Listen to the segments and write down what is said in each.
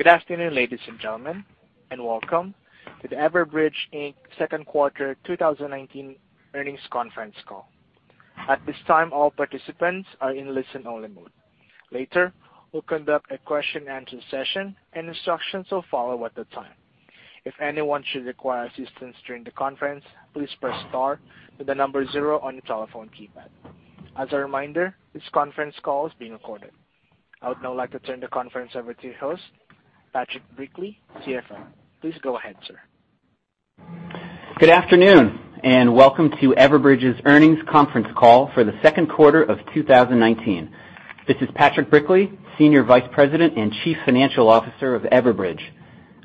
Good afternoon, ladies and gentlemen, and welcome to the Everbridge, Inc., second quarter 2019 earnings conference call. At this time, all participants are in listen-only mode. Later, we'll conduct a question and answer session, and instructions will follow at the time. If anyone should require assistance during the conference, please press star, then the number zero on your telephone keypad. As a reminder, this conference call is being recorded. I would now like to turn the conference over to your host, Patrick Brickley, CFO. Please go ahead, sir. Good afternoon, and welcome to Everbridge's earnings conference call for the second quarter of 2019. This is Patrick Brickley, Senior Vice President and Chief Financial Officer of Everbridge.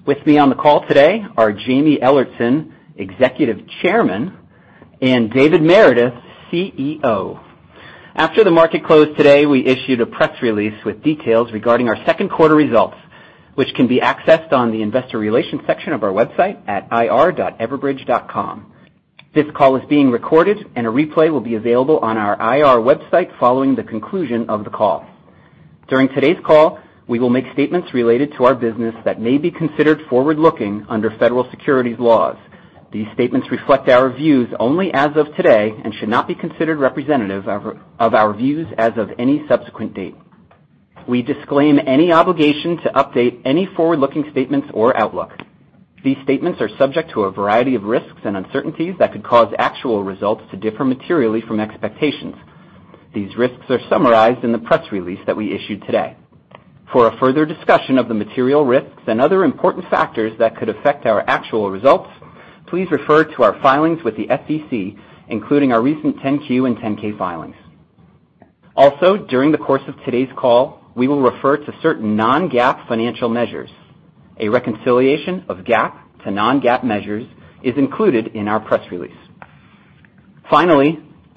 With me on the call today are Jaime Ellertson, Executive Chairman, and David Meredith, CEO. After the market closed today, we issued a press release with details regarding our second quarter results, which can be accessed on the investor relations section of our website at ir.everbridge.com. This call is being recorded, and a replay will be available on our IR website following the conclusion of the call. During today's call, we will make statements related to our business that may be considered forward-looking under federal securities laws. These statements reflect our views only as of today and should not be considered representative of our views as of any subsequent date. We disclaim any obligation to update any forward-looking statements or outlook. These statements are subject to a variety of risks and uncertainties that could cause actual results to differ materially from expectations. These risks are summarized in the press release that we issued today. For a further discussion of the material risks and other important factors that could affect our actual results, please refer to our filings with the SEC, including our recent 10-Q and 10-K filings. During the course of today's call, we will refer to certain non-GAAP financial measures. A reconciliation of GAAP to non-GAAP measures is included in our press release.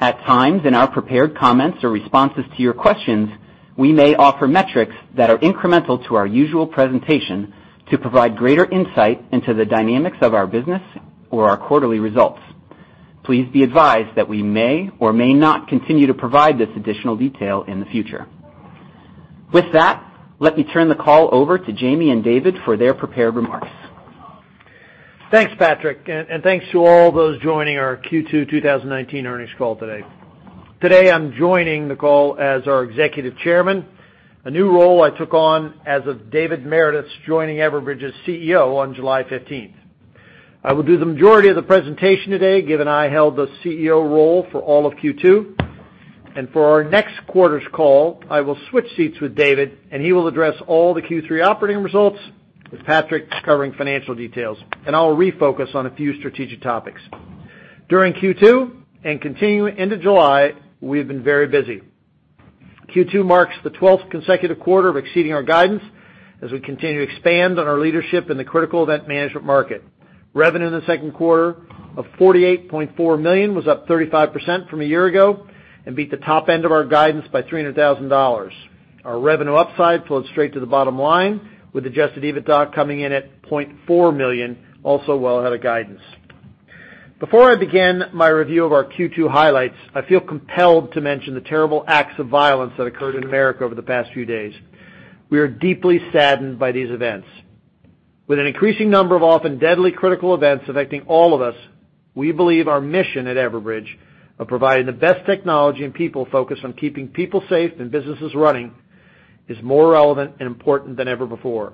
At times in our prepared comments or responses to your questions, we may offer metrics that are incremental to our usual presentation to provide greater insight into the dynamics of our business or our quarterly results. Please be advised that we may or may not continue to provide this additional detail in the future. With that, let me turn the call over to Jaime and David for their prepared remarks. Thanks, Patrick, and thanks to all those joining our Q2 2019 earnings call today. Today, I'm joining the call as our Executive Chairman, a new role I took on as of David Meredith's joining Everbridge as CEO on July 15th. I will do the majority of the presentation today, given I held the CEO role for all of Q2. For our next quarter's call, I will switch seats with David, and he will address all the Q3 operating results, with Patrick covering financial details. I'll refocus on a few strategic topics. During Q2 and continuing into July, we've been very busy. Q2 marks the 12th consecutive quarter of exceeding our guidance as we continue to expand on our leadership in the Critical Event Management market. Revenue in the second quarter of $48.4 million was up 35% from a year ago and beat the top end of our guidance by $300,000. Our revenue upside flowed straight to the bottom line, with adjusted EBITDA coming in at $0.4 million, also well ahead of guidance. Before I begin my review of our Q2 highlights, I feel compelled to mention the terrible acts of violence that occurred in America over the past few days. We are deeply saddened by these events. With an increasing number of often deadly critical events affecting all of us, we believe our mission at Everbridge of providing the best technology and people focused on keeping people safe and businesses running is more relevant and important than ever before.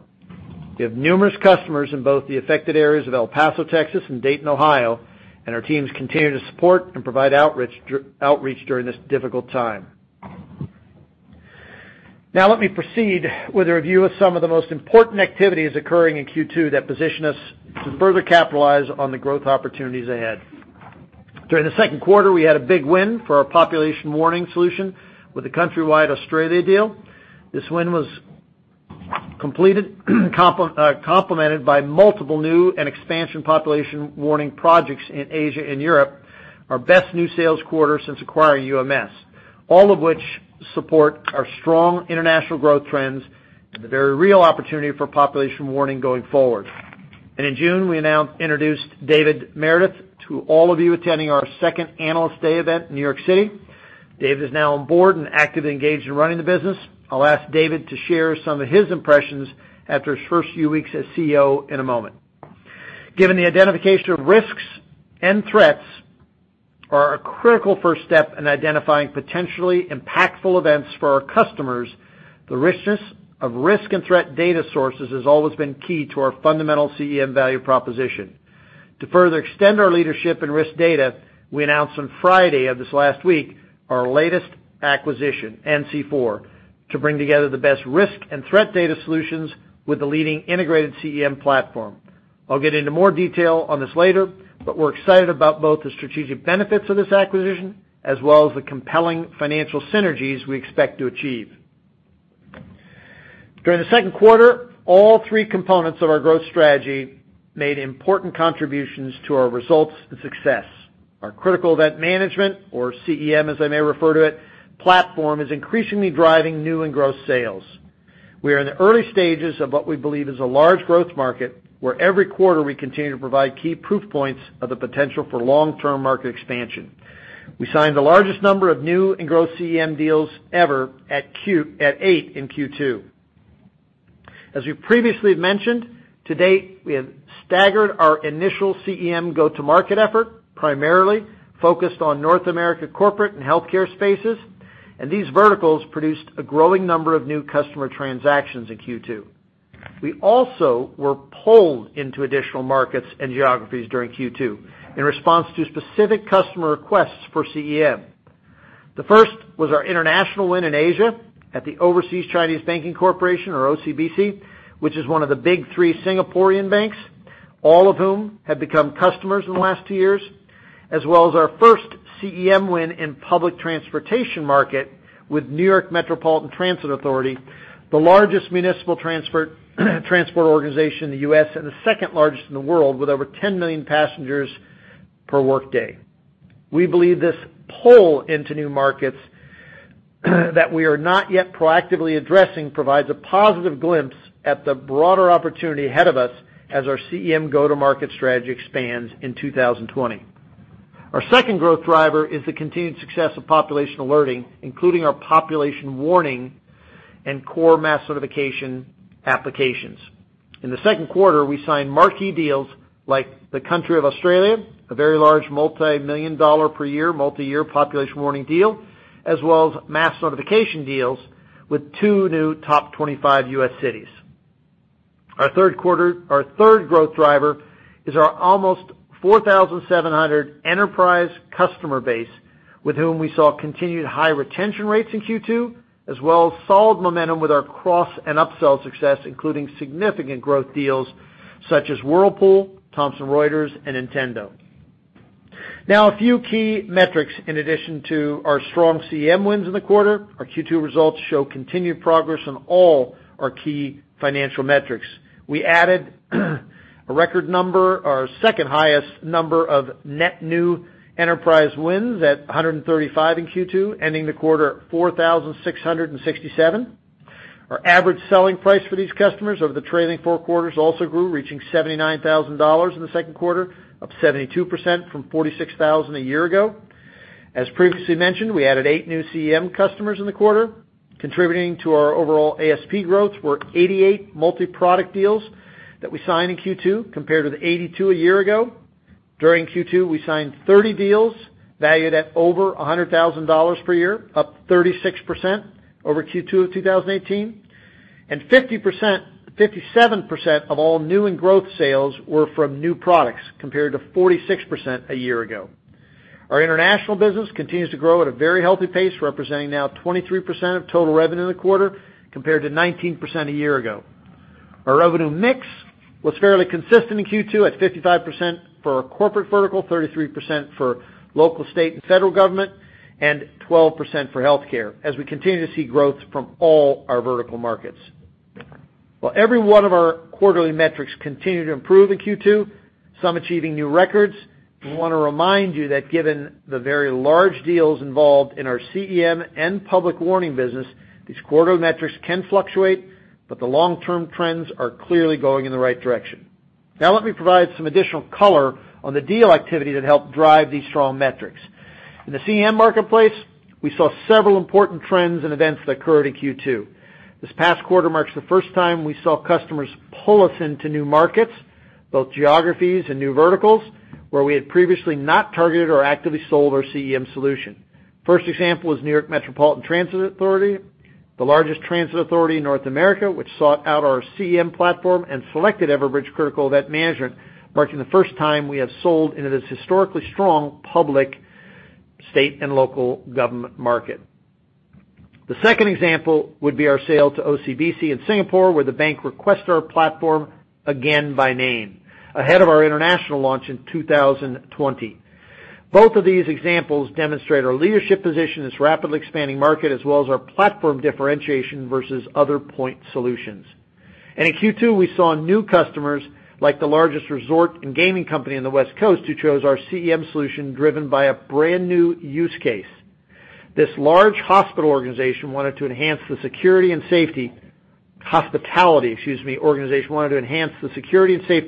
We have numerous customers in both the affected areas of El Paso, Texas, and Dayton, Ohio. Our teams continue to support and provide outreach during this difficult time. Let me proceed with a review of some of the most important activities occurring in Q2 that position us to further capitalize on the growth opportunities ahead. During the second quarter, we had a big win for our Public Warning solution with a countrywide Australia deal. This win was complemented by multiple new and expansion Public Warning projects in Asia and Europe, our best new sales quarter since acquiring UMS, all of which support our strong international growth trends and the very real opportunity for Public Warning going forward. In June, we introduced David Meredith to all of you attending our second Analyst Day event in New York City. David is now on board and actively engaged in running the business. I'll ask David to share some of his impressions after his first few weeks as CEO in a moment. Given the identification of risks and threats are a critical first step in identifying potentially impactful events for our customers, the richness of risk and threat data sources has always been key to our fundamental CEM value proposition. To further extend our leadership in risk data, we announced on Friday of this last week our latest acquisition, NC4, to bring together the best risk and threat data solutions with the leading integrated CEM platform. I'll get into more detail on this later, but we're excited about both the strategic benefits of this acquisition as well as the compelling financial synergies we expect to achieve. During the second quarter, all three components of our growth strategy made important contributions to our results and success. Our Critical Event Management, or CEM as I may refer to it, platform is increasingly driving new and gross sales. We are in the early stages of what we believe is a large growth market, where every quarter we continue to provide key proof points of the potential for long-term market expansion. We signed the largest number of new and growth CEM deals ever at eight in Q2. As we previously mentioned, to date, we have staggered our initial CEM go-to-market effort, primarily focused on North America corporate and healthcare spaces. These verticals produced a growing number of new customer transactions in Q2. We also were pulled into additional markets and geographies during Q2 in response to specific customer requests for CEM. The first was our international win in Asia at the Oversea-Chinese Banking Corporation, or OCBC, which is one of the big three Singaporean banks, all of whom have become customers in the last two years, as well as our first CEM win in public transportation market with Metropolitan Transportation Authority, the largest municipal transport organization in the U.S. and the second largest in the world, with over 10 million passengers per workday. We believe this pull into new markets that we are not yet proactively addressing provides a positive glimpse at the broader opportunity ahead of us as our CEM go-to-market strategy expands in 2020. Our second growth driver is the continued success of population alerting, including our population warning and core Mass Notification applications. In the second quarter, we signed marquee deals like the country of Australia, a very large multi-million dollar per year, multi-year population warning deal, as well as Mass Notification deals with two new top 25 U.S. cities. Our third growth driver is our almost 4,700 enterprise customer base, with whom we saw continued high retention rates in Q2, as well as solid momentum with our cross and upsell success, including significant growth deals such as Whirlpool, Thomson Reuters, and Nintendo. A few key metrics. In addition to our strong CEM wins in the quarter, our Q2 results show continued progress on all our key financial metrics. We added a record number, our second-highest number of net new enterprise wins at 135 in Q2, ending the quarter at 4,667. Our average selling price for these customers over the trailing four quarters also grew, reaching $79,000 in the second quarter, up 72% from $46,000 a year ago. As previously mentioned, we added eight new CEM customers in the quarter. Contributing to our overall ASP growth were 88 multi-product deals that we signed in Q2 compared with 82 a year ago. During Q2, we signed 30 deals valued at over $100,000 per year, up 36% over Q2 of 2018, and 57% of all new and growth sales were from new products, compared to 46% a year ago. Our international business continues to grow at a very healthy pace, representing now 23% of total revenue in the quarter, compared to 19% a year ago. Our revenue mix was fairly consistent in Q2 at 55% for our corporate vertical, 33% for local, state, and federal government, and 12% for healthcare as we continue to see growth from all our vertical markets. While every one of our quarterly metrics continued to improve in Q2, some achieving new records, we want to remind you that given the very large deals involved in our CEM and Public Warning business, these quarter metrics can fluctuate, but the long-term trends are clearly going in the right direction. Let me provide some additional color on the deal activity that helped drive these strong metrics. In the CEM marketplace, we saw several important trends and events that occurred in Q2. This past quarter marks the first time we saw customers pull us into new markets, both geographies and new verticals, where we had previously not targeted or actively sold our CEM solution. First example is New York Metropolitan Transportation Authority, the largest transit authority in North America, which sought out our CEM platform and selected Everbridge Critical Event Management, marking the first time we have sold into this historically strong public, state, and local government market. The second example would be our sale to OCBC in Singapore, where the bank requested our platform again by name, ahead of our international launch in 2020. Both of these examples demonstrate our leadership position in this rapidly expanding market, as well as our platform differentiation versus other point solutions. In Q2, we saw new customers, like the largest resort and gaming company on the West Coast, who chose our CEM solution driven by a brand-new use case. This large hospitality organization wanted to enhance the security and safety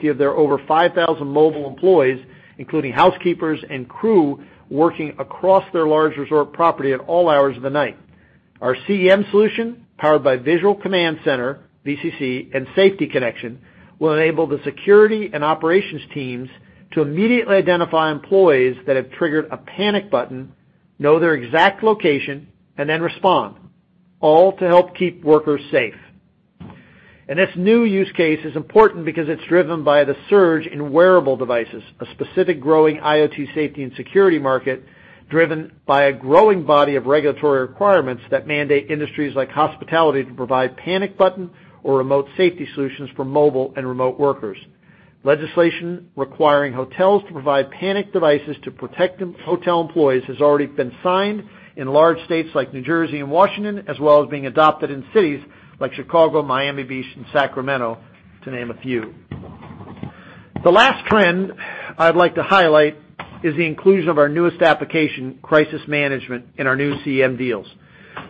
of their over 5,000 mobile employees, including housekeepers and crew working across their large resort property at all hours of the night. Our CEM solution, powered by Visual Command Center, VCC, and Safety Connection, will enable the security and operations teams to immediately identify employees that have triggered a panic button, know their exact location, and then respond, all to help keep workers safe. This new use case is important because it's driven by the surge in wearable devices, a specific growing IoT safety and security market driven by a growing body of regulatory requirements that mandate industries like hospitality to provide panic button or remote safety solutions for mobile and remote workers. Legislation requiring hotels to provide panic devices to protect hotel employees has already been signed in large states like New Jersey and Washington, as well as being adopted in cities like Chicago, Miami Beach, and Sacramento, to name a few. The last trend I'd like to highlight is the inclusion of our newest application, Crisis Management, in our new CEM deals.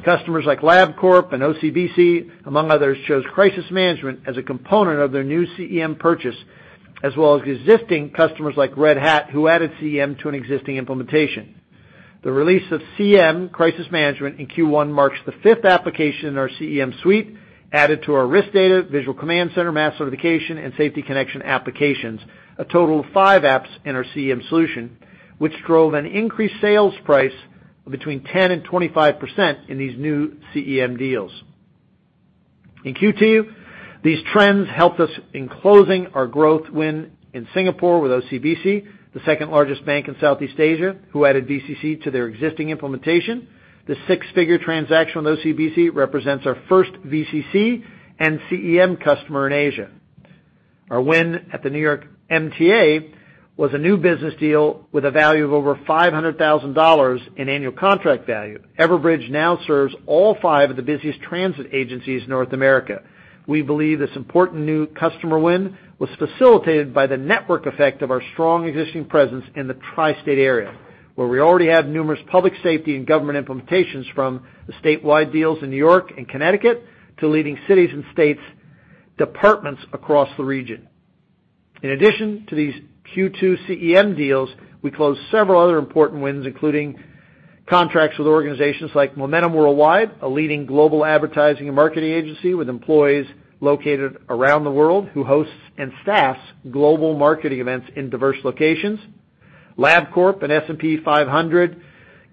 Customers like Labcorp and OCBC, among others, chose Crisis Management as a component of their new CEM purchase. As well as existing customers like Red Hat, who added CEM to an existing implementation. The release of CEM Crisis Management in Q1 marks the fifth application in our CEM suite, added to our Risk Data, Visual Command Center, Mass Notification, and Safety Connection applications, a total of five apps in our CEM solution, which drove an increased sales price of between 10% and 25% in these new CEM deals. In Q2, these trends helped us in closing our growth win in Singapore with OCBC, the second-largest bank in Southeast Asia, who added VCC to their existing implementation. The six-figure transaction with OCBC represents our first VCC and CEM customer in Asia. Our win at the New York MTA was a new business deal with a value of over $500,000 in annual contract value. Everbridge now serves all five of the busiest transit agencies in North America. We believe this important new customer win was facilitated by the network effect of our strong existing presence in the tri-state area, where we already have numerous public safety and government implementations from the statewide deals in New York and Connecticut to leading cities and states' departments across the region. In addition to these Q2 CEM deals, we closed several other important wins, including contracts with organizations like Momentum Worldwide, a leading global advertising and marketing agency with employees located around the world who hosts and staffs global marketing events in diverse locations. LabCorp, an S&P 500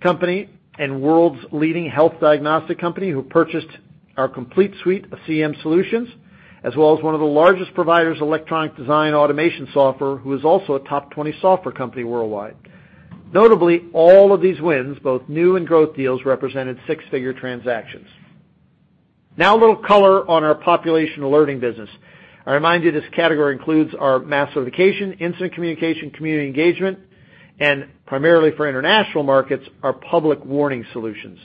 company and world's leading health diagnostic company, who purchased our complete suite of CEM solutions, as well as one of the largest providers of electronic design automation software, who is also a top 20 software company worldwide. Notably, all of these wins, both new and growth deals, represented six-figure transactions. Now a little color on our population alerting business. I remind you this category includes our Mass Notification, Incident Communication, Community Engagement, and primarily for international markets, our public warning solutions.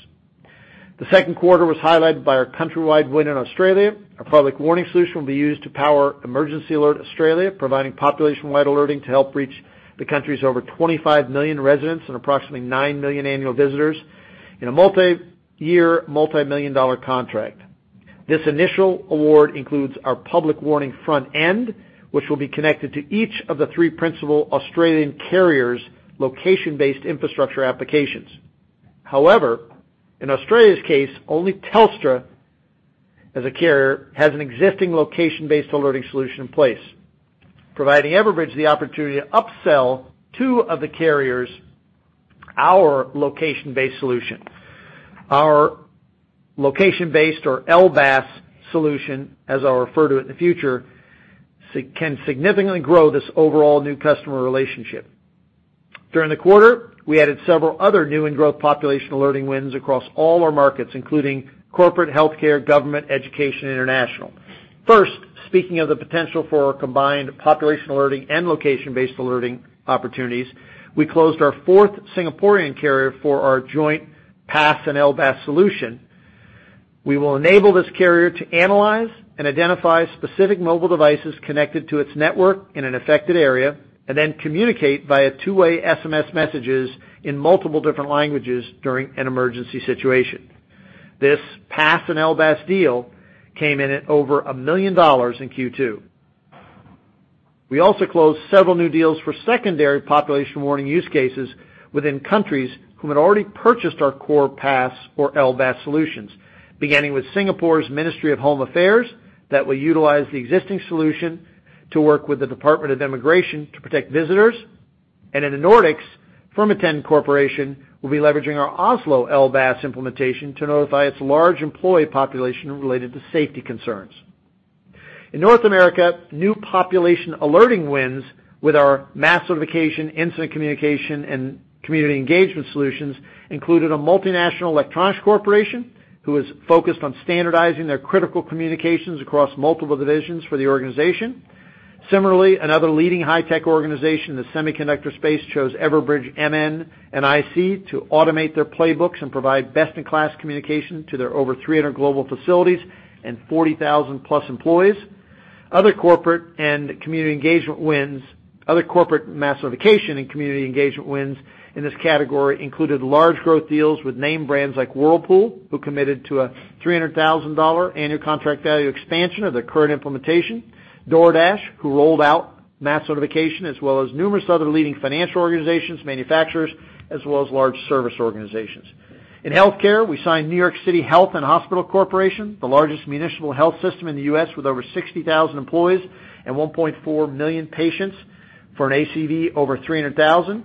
The second quarter was highlighted by our countrywide win in Australia. Our public warning solution will be used to power Emergency Alert Australia, providing population-wide alerting to help reach the country's over 25 million residents and approximately nine million annual visitors in a multi-year, multi-million dollar contract. This initial award includes our public warning front end, which will be connected to each of the 3 principal Australian carriers' location-based infrastructure applications. However, in Australia's case, only Telstra, as a carrier, has an existing location-based alerting solution in place, providing Everbridge the opportunity to upsell 2 of the carriers our location-based solution. Our location-based or LBAS solution, as I'll refer to it in the future, can significantly grow this overall new customer relationship. During the quarter, we added several other new and growth population alerting wins across all our markets, including corporate healthcare, government, education, international. First, speaking of the potential for our combined population alerting and location-based alerting opportunities, we closed our fourth Singaporean carrier for our joint PAS and LBAS solution. We will enable this carrier to analyze and identify specific mobile devices connected to its network in an affected area, and then communicate via two-way SMS messages in multiple different languages during an emergency situation. This PAS and LBAS deal came in at over $1 million in Q2. We also closed several new deals for secondary population warning use cases within countries who had already purchased our core PAS or LBAS solutions, beginning with Singapore's Ministry of Home Affairs that will utilize the existing solution to work with the Department of Immigration to protect visitors. In the Nordics, Firmaten Corporation will be leveraging our Oslo LBAS implementation to notify its large employee population related to safety concerns. In North America, new population alerting wins with our Mass Notification, Incident Communication, and Community Engagement solutions included a multinational electronics corporation who is focused on standardizing their critical communications across multiple divisions for the organization. Similarly, another leading high-tech organization in the semiconductor space chose Everbridge MN and IC to automate their playbooks and provide best-in-class communication to their over 300 global facilities and 40,000-plus employees. Other corporate Mass Notification and Community Engagement wins in this category included large growth deals with name brands like Whirlpool, who committed to a $300,000 annual contract value expansion of their current implementation. DoorDash, who rolled out Mass Notification, as well as numerous other leading financial organizations, manufacturers, as well as large service organizations. In healthcare, we signed New York City Health and Hospitals Corporation, the largest municipal health system in the U.S. with over 60,000 employees and 1.4 million patients for an ACV over $300,000.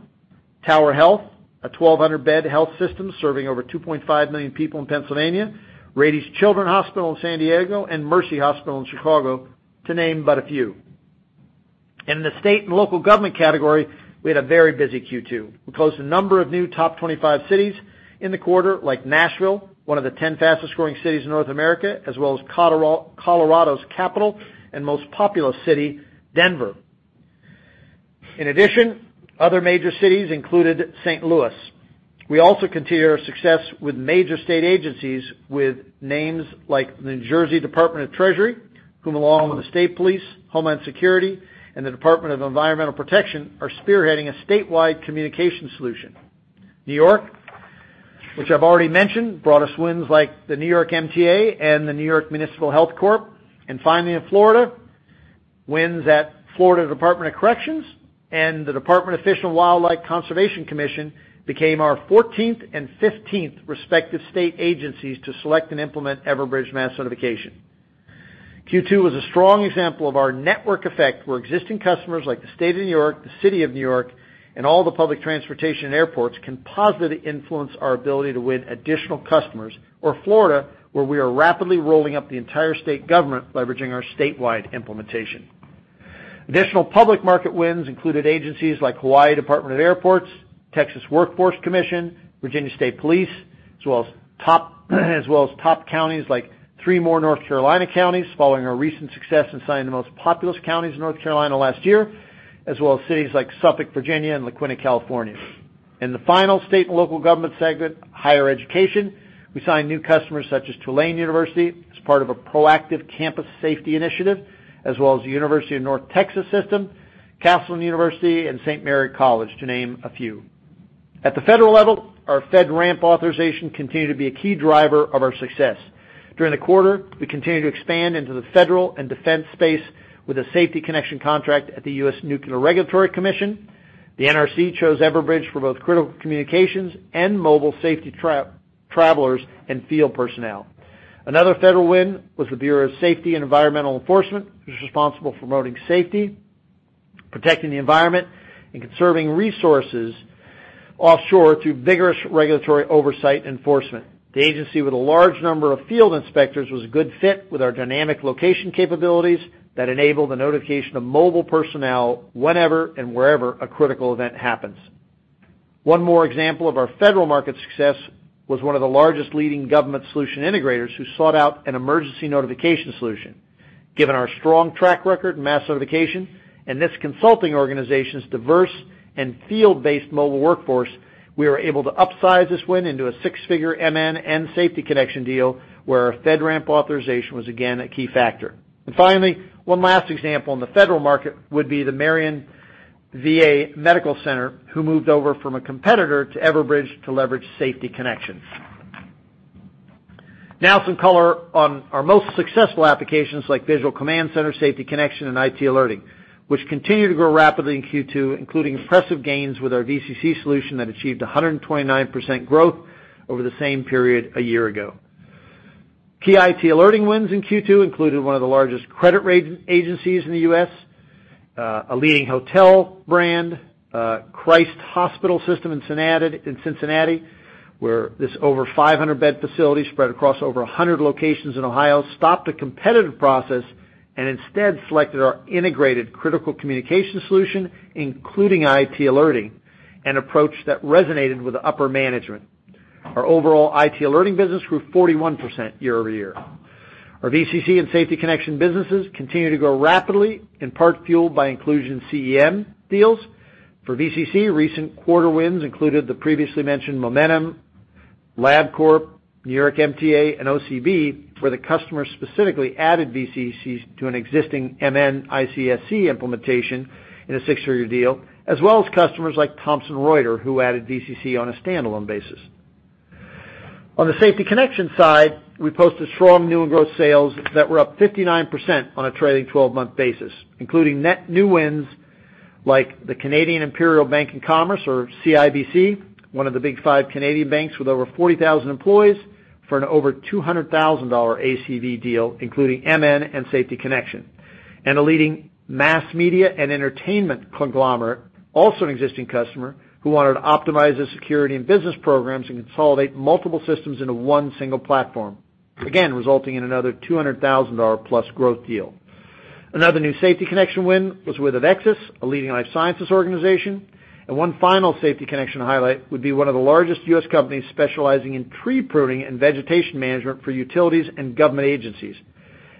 Tower Health, a 1,200-bed health system serving over 2.5 million people in Pennsylvania, Rady Children's Hospital-San Diego, and Mercy Hospital in Chicago, to name but a few. In the state and local government category, we had a very busy Q2. We closed a number of new top 25 cities in the quarter, like Nashville, one of the 10 fastest-growing cities in North America, as well as Colorado's capital and most populous city, Denver. In addition, other major cities included St. Louis. We also continue our success with major state agencies with names like the New Jersey Department of the Treasury, whom along with the State Police, Homeland Security, and the Department of Environmental Protection, are spearheading a statewide communication solution. New York, which I've already mentioned, brought us wins like the New York MTA and the New York Municipal Health Corp. Finally, in Florida, wins at Florida Department of Corrections and the Department of Fish and Wildlife Conservation Commission became our 14th and 15th respective state agencies to select and implement Everbridge Mass Notification. Q2 was a strong example of our network effect, where existing customers like the State of New York, the City of New York, and all the public transportation airports can positively influence our ability to win additional customers or Florida, where we are rapidly rolling up the entire state government leveraging our statewide implementation. Additional public market wins included agencies like Hawaii Department of Airports, Texas Workforce Commission, Virginia State Police, as well as top counties like three more North Carolina counties following our recent success in signing the most populous counties in North Carolina last year, as well as cities like Suffolk, Virginia, and La Quinta, California. In the final state and local government segment, higher education, we signed new customers such as Tulane University as part of a proactive campus safety initiative, as well as the University of North Texas System, Castleton University, and St. Mary's College, to name a few. At the federal level, our FedRAMP authorization continued to be a key driver of our success. During the quarter, we continued to expand into the federal and defense space with a Safety Connection contract at the U.S. Nuclear Regulatory Commission. The NRC chose Everbridge for both critical communications and mobile safety travelers and field personnel. Another federal win was the Bureau of Safety and Environmental Enforcement, which is responsible for promoting safety, protecting the environment, and conserving resources offshore through vigorous regulatory oversight enforcement. The agency with a large number of field inspectors was a good fit with our dynamic location capabilities that enable the notification of mobile personnel whenever and wherever a critical event happens. One more example of our federal market success was one of the largest leading government solution integrators who sought out an emergency notification solution. Given our strong track record in Mass Notification and this consulting organization's diverse and field-based mobile workforce, we were able to upsize this win into a $6-figure MN and Safety Connection deal where our FedRAMP authorization was again a key factor. Finally, one last example in the federal market would be the Marion VA Medical Center, who moved over from a competitor to Everbridge to leverage Safety Connections. Now some color on our most successful applications like Visual Command Center, Safety Connection, and IT Alerting, which continue to grow rapidly in Q2, including impressive gains with our VCC solution that achieved 129% growth over the same period a year ago. Key IT Alerting wins in Q2 included one of the largest credit agencies in the U.S., a leading hotel brand, The Christ Hospital system in Cincinnati, where this over 500-bed facility spread across over 100 locations in Ohio, stopped a competitive process and instead selected our integrated critical communication solution, including IT Alerting, an approach that resonated with the upper management. Our overall IT Alerting business grew 41% year-over-year. Our VCC and Safety Connection businesses continue to grow rapidly in part fueled by inclusion CEM deals. For VCC, recent quarter wins included the previously mentioned Momentum, Labcorp, New York MTA, and OCBC, where the customer specifically added VCCs to an existing MN ICSC implementation in a six-figure deal, as well as customers like Thomson Reuters, who added VCC on a standalone basis. On the Safety Connection side, we posted strong new and growth sales that were up 59% on a trailing 12-month basis, including net new wins like the Canadian Imperial Bank of Commerce or CIBC, one of the big five Canadian banks with over 40,000 employees, for an over $200,000 ACV deal, including MN and Safety Connection. A leading mass media and entertainment conglomerate, also an existing customer, who wanted to optimize the security and business programs and consolidate multiple systems into one single platform, again, resulting in another $200,000 plus growth deal. Another new Safety Connection win was with AveXis, a leading life sciences organization. One final Safety Connection highlight would be one of the largest U.S. companies specializing in tree pruning and vegetation management for utilities and government agencies.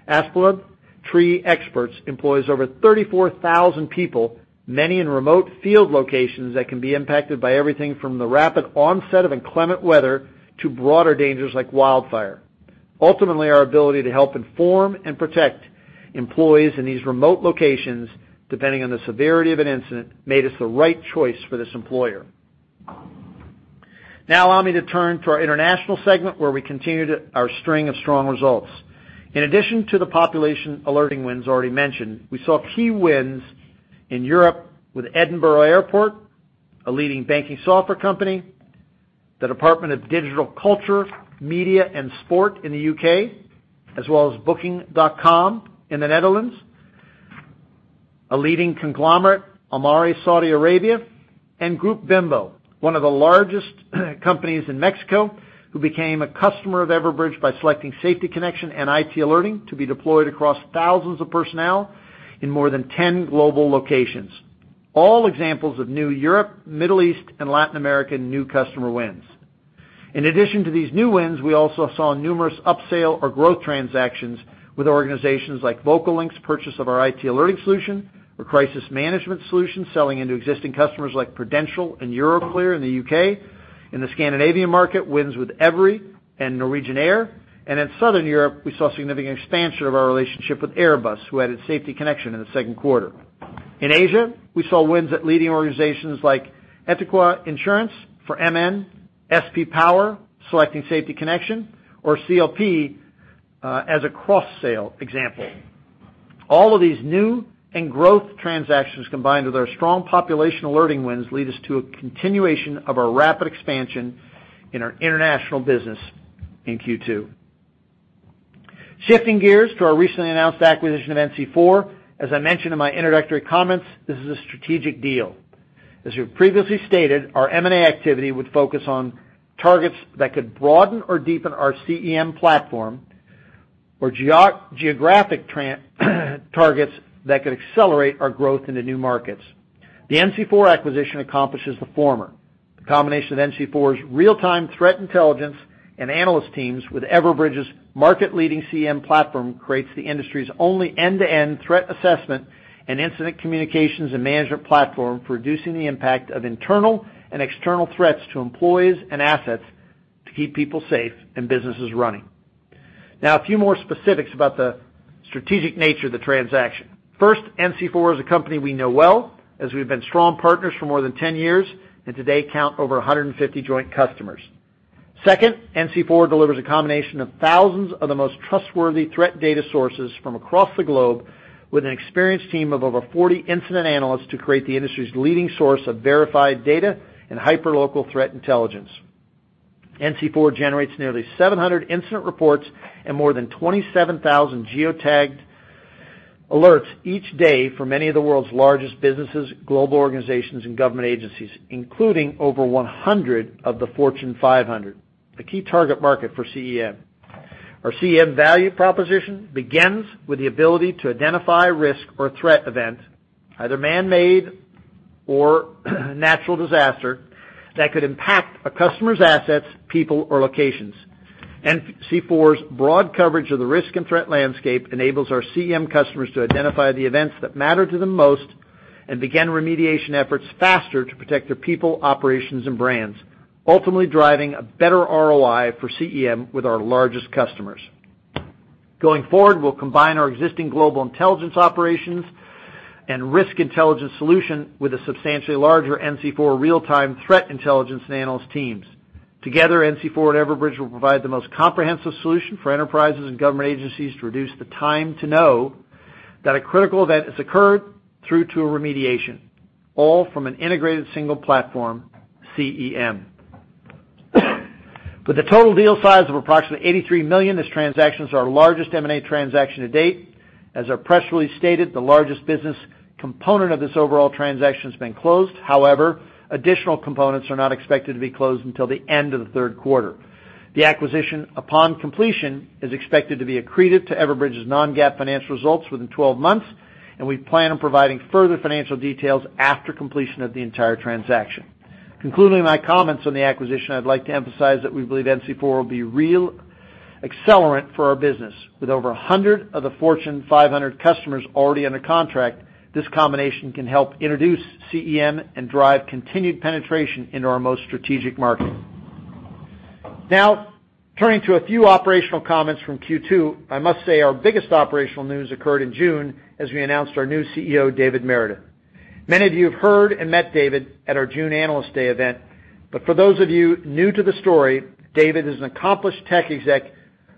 Asplundh Tree Expert employs over 34,000 people, many in remote field locations that can be impacted by everything from the rapid onset of inclement weather to broader dangers like wildfire. Ultimately, our ability to help inform and protect employees in these remote locations, depending on the severity of an incident, made us the right choice for this employer. Now allow me to turn to our international segment, where we continued our string of strong results. In addition to the population alerting wins already mentioned, we saw key wins in Europe with Edinburgh Airport, a leading banking software company, the Department for Digital, Culture, Media and Sport in the U.K., as well as Booking.com in the Netherlands, a leading conglomerate, Saudi Aramco, and Grupo Bimbo, one of the largest companies in Mexico, who became a customer of Everbridge by selecting Safety Connection and IT Alerting to be deployed across thousands of personnel in more than 10 global locations. All examples of new Europe, Middle East, and Latin American new customer wins. In addition to these new wins, we also saw numerous up-sale or growth transactions with organizations like Vocalink's purchase of our IT Alerting solution or Crisis Management solution selling into existing customers like Prudential and Euroclear in the U.K. In the Scandinavian market, wins with EVRY and Norwegian Air, and in Southern Europe, we saw significant expansion of our relationship with Airbus, who added Safety Connection in the second quarter. In Asia, we saw wins at leading organizations like Etiqa Insurance for MN, SP Power selecting Safety Connection, or CLP as a cross-sale example. All of these new and growth transactions, combined with our strong population alerting wins, lead us to a continuation of our rapid expansion in our international business in Q2. Shifting gears to our recently announced acquisition of NC4. As I mentioned in my introductory comments, this is a strategic deal. As we've previously stated, our M&A activity would focus on targets that could broaden or deepen our CEM platform, or geographic targets that could accelerate our growth into new markets. The NC4 acquisition accomplishes the former. The combination of NC4's real-time threat intelligence and analyst teams with Everbridge's market-leading CEM platform creates the industry's only end-to-end threat assessment and incident communications and management platform for reducing the impact of internal and external threats to employees and assets to keep people safe and businesses running. A few more specifics about the strategic nature of the transaction. First, NC4 is a company we know well, as we've been strong partners for more than 10 years, and today count over 150 joint customers. Second, NC4 delivers a combination of thousands of the most trustworthy threat data sources from across the globe with an experienced team of over 40 incident analysts to create the industry's leading source of verified data and hyperlocal threat intelligence. NC4 generates nearly 700 incident reports and more than 27,000 geotagged alerts each day for many of the world's largest businesses, global organizations, and government agencies, including over 100 of the Fortune 500, the key target market for CEM. Our CEM value proposition begins with the ability to identify risk or threat event, either man-made or natural disaster, that could impact a customer's assets, people, or locations. NC4's broad coverage of the risk and threat landscape enables our CEM customers to identify the events that matter to them most and begin remediation efforts faster to protect their people, operations, and brands, ultimately driving a better ROI for CEM with our largest customers. Going forward, we'll combine our existing global intelligence operations and Risk Intelligence solution with a substantially larger NC4 real-time threat intelligence and analyst teams. Together, NC4 and Everbridge will provide the most comprehensive solution for enterprises and government agencies to reduce the time to know that a critical event has occurred through to a remediation, all from an integrated single platform, CEM. With a total deal size of approximately $83 million, this transaction's our largest M&A transaction to date. As our press release stated, the largest business component of this overall transaction has been closed. Additional components are not expected to be closed until the end of the third quarter. The acquisition, upon completion, is expected to be accretive to Everbridge's non-GAAP financial results within 12 months, and we plan on providing further financial details after completion of the entire transaction. Concluding my comments on the acquisition, I'd like to emphasize that we believe NC4 will be real accelerant for our business. With over 100 of the Fortune 500 customers already under contract, this combination can help introduce CEM and drive continued penetration into our most strategic market. Turning to a few operational comments from Q2, I must say our biggest operational news occurred in June as we announced our new CEO, David Meredith. Many of you have heard and met David at our June Analyst Day event. For those of you new to the story, David is an accomplished tech exec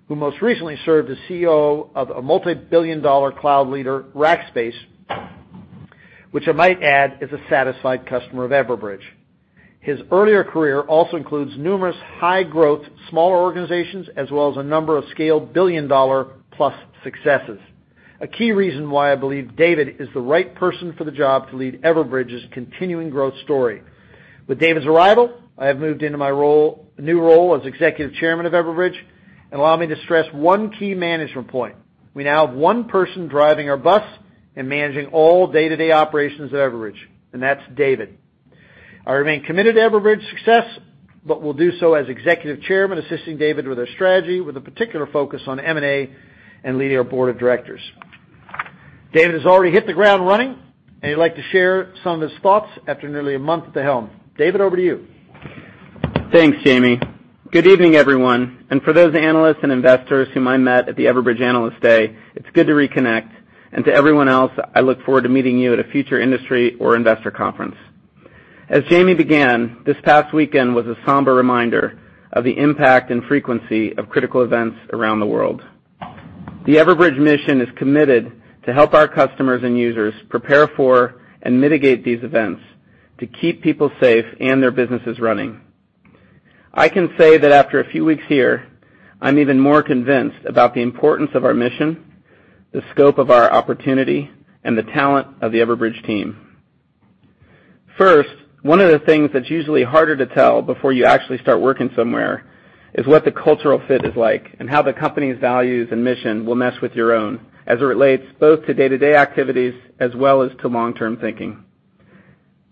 who most recently served as CEO of a multi-billion-dollar cloud leader, Rackspace, which I might add, is a satisfied customer of Everbridge. His earlier career also includes numerous high-growth smaller organizations as well as a number of scaled billion-dollar-plus successes. A key reason why I believe David is the right person for the job to lead Everbridge's continuing growth story. With David's arrival, I have moved into my new role as Executive Chairman of Everbridge. Allow me to stress one key management point. We now have one person driving our bus and managing all day-to-day operations at Everbridge. That's David. I remain committed to Everbridge's success, will do so as Executive Chairman, assisting David with our strategy, with a particular focus on M&A and leading our board of directors. David has already hit the ground running. He'd like to share some of his thoughts after nearly a month at the helm. David, over to you. Thanks, Jaime. Good evening, everyone, and for those analysts and investors whom I met at the Everbridge Analyst Day, it's good to reconnect, and to everyone else, I look forward to meeting you at a future industry or investor conference. As Jaime began, this past weekend was a somber reminder of the impact and frequency of critical events around the world. The Everbridge mission is committed to help our customers and users prepare for and mitigate these events to keep people safe and their businesses running. I can say that after a few weeks here, I'm even more convinced about the importance of our mission, the scope of our opportunity, and the talent of the Everbridge team. First, one of the things that's usually harder to tell before you actually start working somewhere is what the cultural fit is like and how the company's values and mission will mesh with your own as it relates both to day-to-day activities as well as to long-term thinking.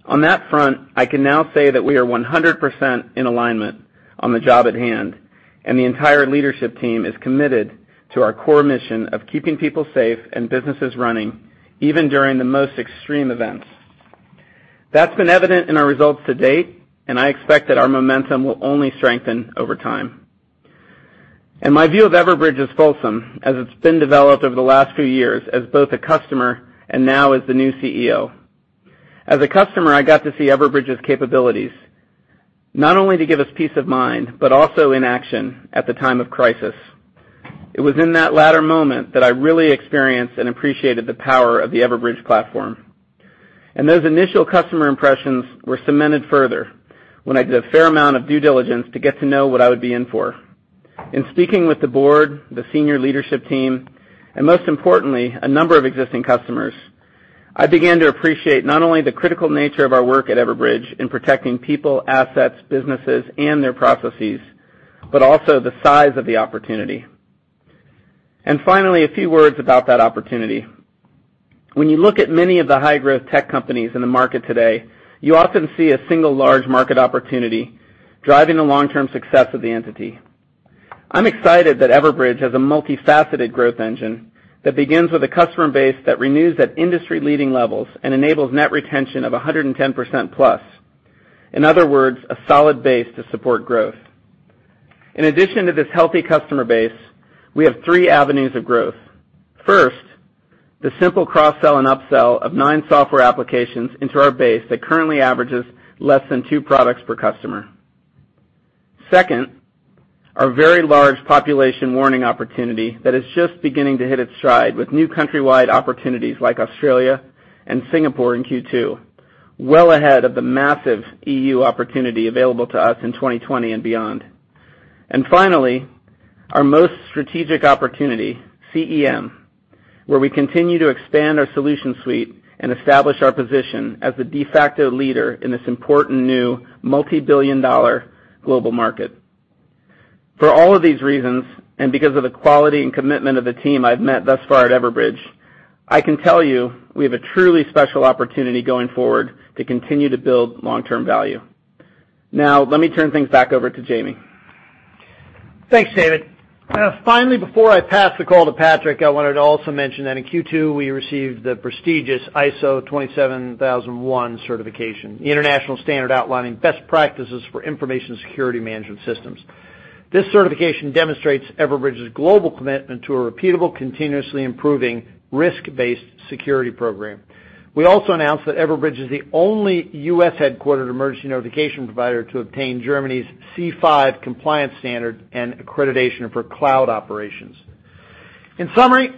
On that front, I can now say that we are 100% in alignment on the job at hand, and the entire leadership team is committed to our core mission of keeping people safe and businesses running, even during the most extreme events. That's been evident in our results to date, and I expect that our momentum will only strengthen over time. My view of Everbridge is fulsome as it's been developed over the last few years as both a customer and now as the new CEO. As a customer, I got to see Everbridge's capabilities, not only to give us peace of mind, but also in action at the time of crisis. It was in that latter moment that I really experienced and appreciated the power of the Everbridge platform. Those initial customer impressions were cemented further when I did a fair amount of due diligence to get to know what I would be in for. In speaking with the board, the senior leadership team, and most importantly, a number of existing customers, I began to appreciate not only the critical nature of our work at Everbridge in protecting people, assets, businesses, and their processes, but also the size of the opportunity. Finally, a few words about that opportunity. When you look at many of the high-growth tech companies in the market today, you often see a single large market opportunity driving the long-term success of the entity. I'm excited that Everbridge has a multifaceted growth engine that begins with a customer base that renews at industry-leading levels and enables net retention of 110% plus. In other words, a solid base to support growth. In addition to this healthy customer base, we have three avenues of growth. First, the simple cross-sell and up-sell of nine software applications into our base that currently averages less than two products per customer. Second, our very large population warning opportunity that is just beginning to hit its stride with new countrywide opportunities like Australia and Singapore in Q2, well ahead of the massive EU opportunity available to us in 2020 and beyond. Finally, our most strategic opportunity, CEM, where we continue to expand our solution suite and establish our position as the de facto leader in this important new multibillion-dollar global market. For all of these reasons, and because of the quality and commitment of the team I've met thus far at Everbridge, I can tell you we have a truly special opportunity going forward to continue to build long-term value. Let me turn things back over to Jaime. Thanks, David. Finally, before I pass the call to Patrick, I wanted to also mention that in Q2, we received the prestigious ISO 27001 certification, the international standard outlining best practices for information security management systems. This certification demonstrates Everbridge's global commitment to a repeatable, continuously improving risk-based security program. We also announced that Everbridge is the only U.S.-headquartered emergency notification provider to obtain Germany's C5 compliance standard and accreditation for cloud operations. In summary,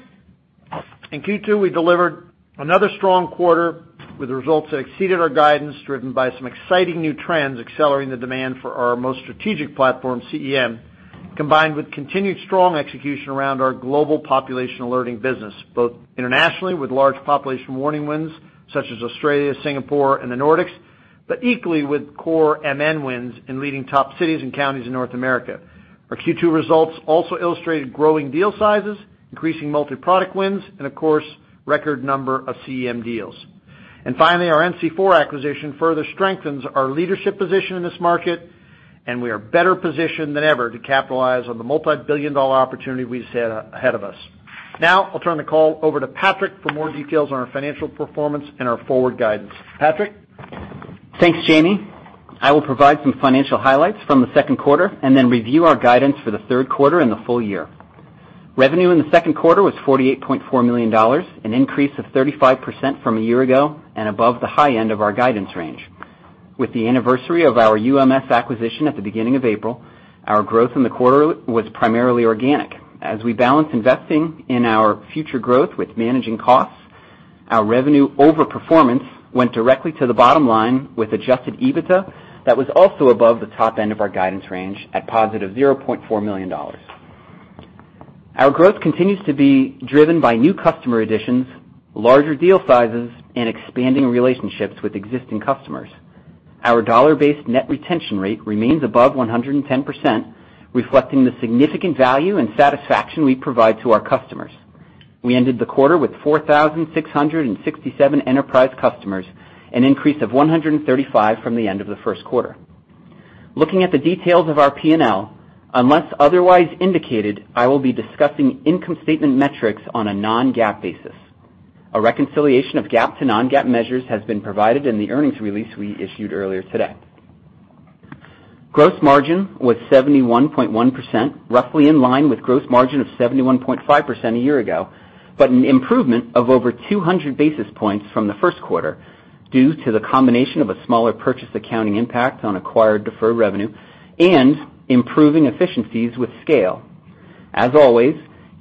in Q2, we delivered another strong quarter with results that exceeded our guidance, driven by some exciting new trends accelerating the demand for our most strategic platform, CEM, combined with continued strong execution around our global population alerting business, both internationally with large population warning wins such as Australia, Singapore, and the Nordics, but equally with core MN wins in leading top cities and counties in North America. Our Q2 results also illustrated growing deal sizes, increasing multi-product wins, and of course, record number of CEM deals. Finally, our NC4 acquisition further strengthens our leadership position in this market, and we are better positioned than ever to capitalize on the multibillion-dollar opportunity we just had ahead of us. Now, I'll turn the call over to Patrick for more details on our financial performance and our forward guidance. Patrick? Thanks, Jaime. Then review our guidance for the third quarter and the full year. Revenue in the second quarter was $48.4 million, an increase of 35% from a year ago and above the high end of our guidance range. With the anniversary of our UMS acquisition at the beginning of April, our growth in the quarter was primarily organic. We balance investing in our future growth with managing costs, our revenue over performance went directly to the bottom line with adjusted EBITDA that was also above the top end of our guidance range at positive $0.4 million. Our growth continues to be driven by new customer additions, larger deal sizes, and expanding relationships with existing customers. Our dollar-based net retention rate remains above 110%, reflecting the significant value and satisfaction we provide to our customers. We ended the quarter with 4,667 enterprise customers, an increase of 135 from the end of the first quarter. Looking at the details of our P&L, unless otherwise indicated, I will be discussing income statement metrics on a non-GAAP basis. A reconciliation of GAAP to non-GAAP measures has been provided in the earnings release we issued earlier today. Gross margin was 71.1%, roughly in line with gross margin of 71.5% a year ago, but an improvement of over 200 basis points from the first quarter due to the combination of a smaller purchase accounting impact on acquired deferred revenue and improving efficiencies with scale. As always,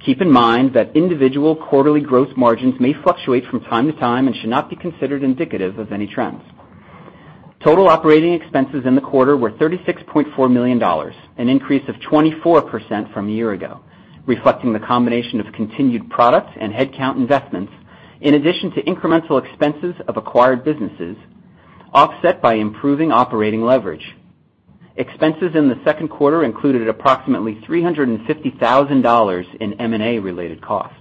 keep in mind that individual quarterly gross margins may fluctuate from time to time and should not be considered indicative of any trends. Total operating expenses in the quarter were $36.4 million, an increase of 24% from a year-ago, reflecting the combination of continued products and headcount investments, in addition to incremental expenses of acquired businesses, offset by improving operating leverage. Expenses in the second quarter included approximately $350,000 in M&A-related costs.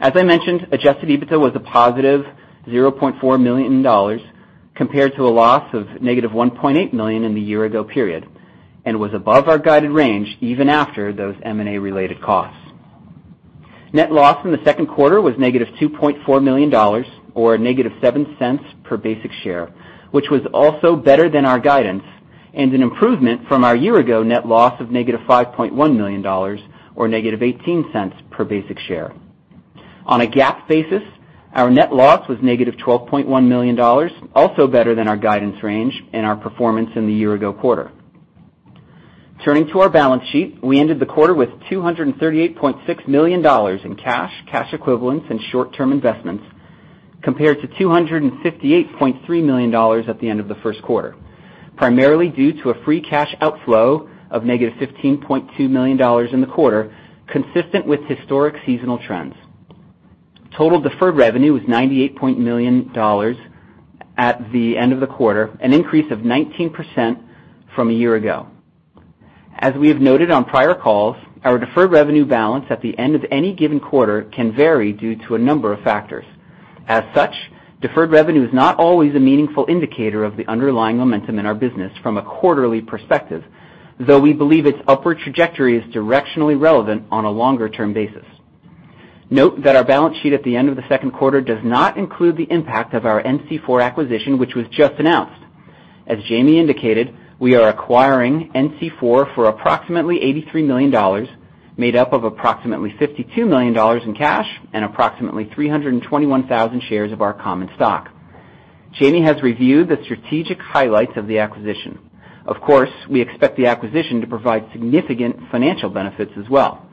As I mentioned, adjusted EBITDA was a positive $0.4 million compared to a loss of negative $1.8 million in the year-ago period and was above our guided range even after those M&A-related costs. Net loss from the second quarter was negative $2.4 million, or negative $0.07 per basic share, which was also better than our guidance and an improvement from our year-ago net loss of negative $5.1 million, or negative $0.18 per basic share. On a GAAP basis, our net loss was negative $12.1 million, also better than our guidance range and our performance in the year-ago quarter. Turning to our balance sheet, we ended the quarter with $238.6 million in cash equivalents, and short-term investments, compared to $258.3 million at the end of the first quarter, primarily due to a free cash outflow of negative $15.2 million in the quarter, consistent with historic seasonal trends. Total deferred revenue was $98.8 million at the end of the quarter, an increase of 19% from a year ago. As we have noted on prior calls, our deferred revenue balance at the end of any given quarter can vary due to a number of factors. As such, deferred revenue is not always a meaningful indicator of the underlying momentum in our business from a quarterly perspective, though we believe its upward trajectory is directionally relevant on a longer-term basis. Note that our balance sheet at the end of the second quarter does not include the impact of our NC4 acquisition, which was just announced. As Jaime indicated, we are acquiring NC4 for approximately $83 million, made up of approximately $52 million in cash and approximately 321,000 shares of our common stock. Jaime has reviewed the strategic highlights of the acquisition. Of course, we expect the acquisition to provide significant financial benefits as well.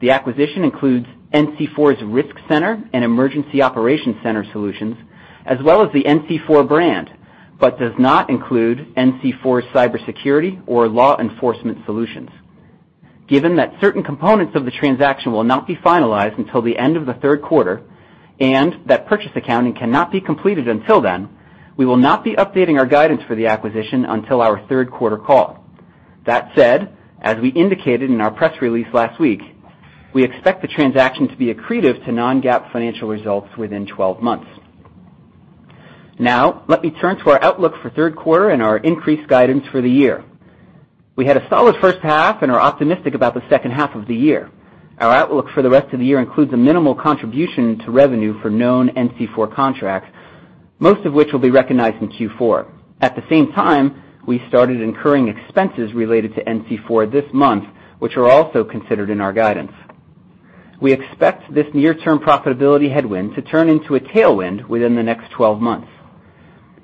The acquisition includes NC4's Risk Center and Emergency Operations Center solutions, as well as the NC4 brand, but does not include NC4's cybersecurity or law enforcement solutions. Given that certain components of the transaction will not be finalized until the end of the third quarter and that purchase accounting cannot be completed until then, we will not be updating our guidance for the acquisition until our third quarter call. That said, as we indicated in our press release last week, we expect the transaction to be accretive to non-GAAP financial results within 12 months. Let me turn to our outlook for the third quarter and our increased guidance for the year. We had a solid first half and are optimistic about the second half of the year. Our outlook for the rest of the year includes a minimal contribution to revenue for known NC4 contracts, most of which will be recognized in Q4. At the same time, we started incurring expenses related to NC4 this month, which are also considered in our guidance. We expect this near-term profitability headwind to turn into a tailwind within the next 12 months,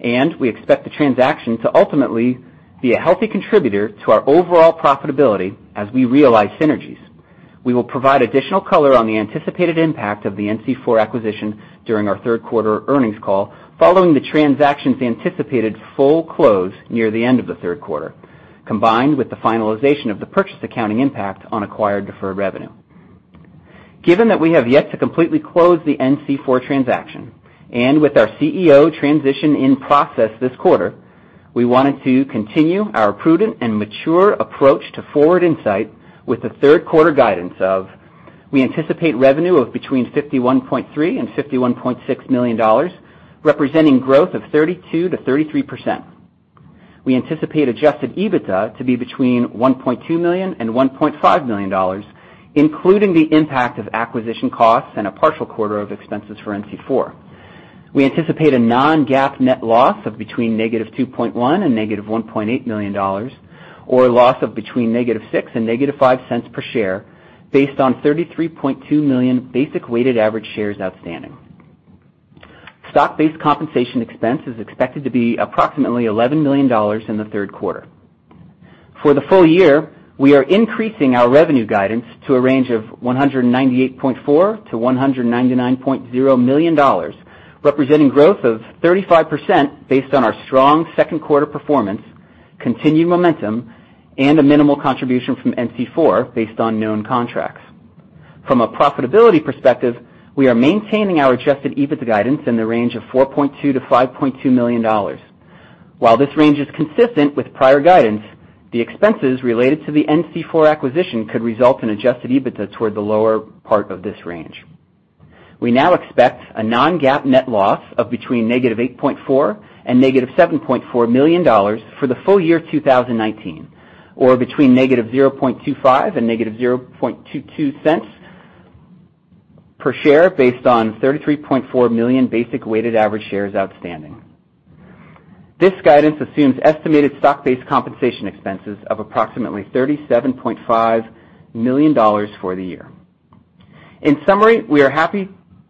and we expect the transaction to ultimately be a healthy contributor to our overall profitability as we realize synergies. We will provide additional color on the anticipated impact of the NC4 acquisition during our third quarter earnings call, following the transaction's anticipated full close near the end of the third quarter, combined with the finalization of the purchase accounting impact on acquired deferred revenue. Given that we have yet to completely close the NC4 transaction and with our CEO transition in process this quarter, we wanted to continue our prudent and mature approach to forward insight with the third quarter guidance of: We anticipate revenue of between $51.3 and $51.6 million, representing growth of 32%-33%. We anticipate adjusted EBITDA to be between $1.2 million and $1.5 million, including the impact of acquisition costs and a partial quarter of expenses for NC4. We anticipate a non-GAAP net loss of between negative $2.1 million and negative $1.8 million, or a loss of between negative $0.06 and negative $0.05 per share based on 33.2 million basic weighted average shares outstanding. Stock-based compensation expense is expected to be approximately $11 million in the third quarter. For the full year, we are increasing our revenue guidance to a range of $198.4 million-$199.0 million, representing growth of 35% based on our strong second quarter performance, continued momentum, and a minimal contribution from NC4 based on known contracts. From a profitability perspective, we are maintaining our adjusted EBITDA guidance in the range of $4.2 million-$5.2 million. While this range is consistent with prior guidance, the expenses related to the NC4 acquisition could result in adjusted EBITDA toward the lower part of this range. We now expect a non-GAAP net loss of between negative $8.4 and negative $7.4 million for the full year 2019, or between negative $0.25 and negative $0.22 per share based on 33.4 million basic weighted average shares outstanding. This guidance assumes estimated stock-based compensation expenses of approximately $37.5 million for the year. In summary, we are happy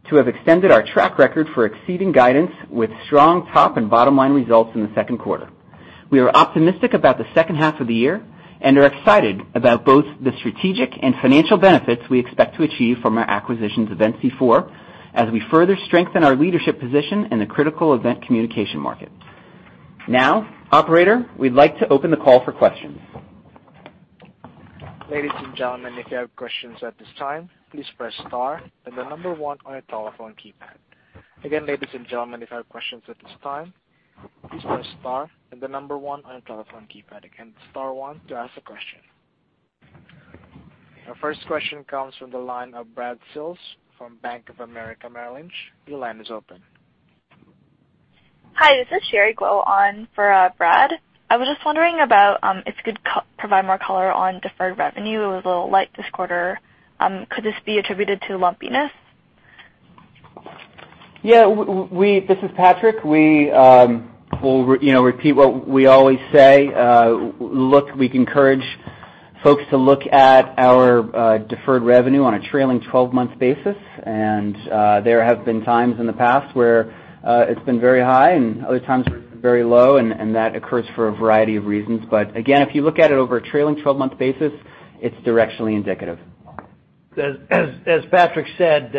to have extended our track record for exceeding guidance with strong top and bottom line results in the second quarter. We are optimistic about the second half of the year and are excited about both the strategic and financial benefits we expect to achieve from our acquisition of NC4 as we further strengthen our leadership position in the critical event communication market. Now, operator, we'd like to open the call for questions. Ladies and gentlemen, if you have questions at this time, please press star and the number one on your telephone keypad. Again, ladies and gentlemen, if you have questions at this time, please press star and the number one on your telephone keypad. Again, star one to ask a question. Our first question comes from the line of Brad Sills from Bank of America Merrill Lynch. Your line is open. Hi, this is Sherry Guo on for Brad. I was just wondering about if you could provide more color on deferred revenue. It was a light this quarter. Could this be attributed to lumpiness? Yeah. This is Patrick. We'll repeat what we always say. We encourage folks to look at our deferred revenue on a trailing 12-month basis, and there have been times in the past where it's been very high, and other times where it's been very low, and that occurs for a variety of reasons. Again, if you look at it over a trailing 12-month basis, it's directionally indicative. As Patrick said,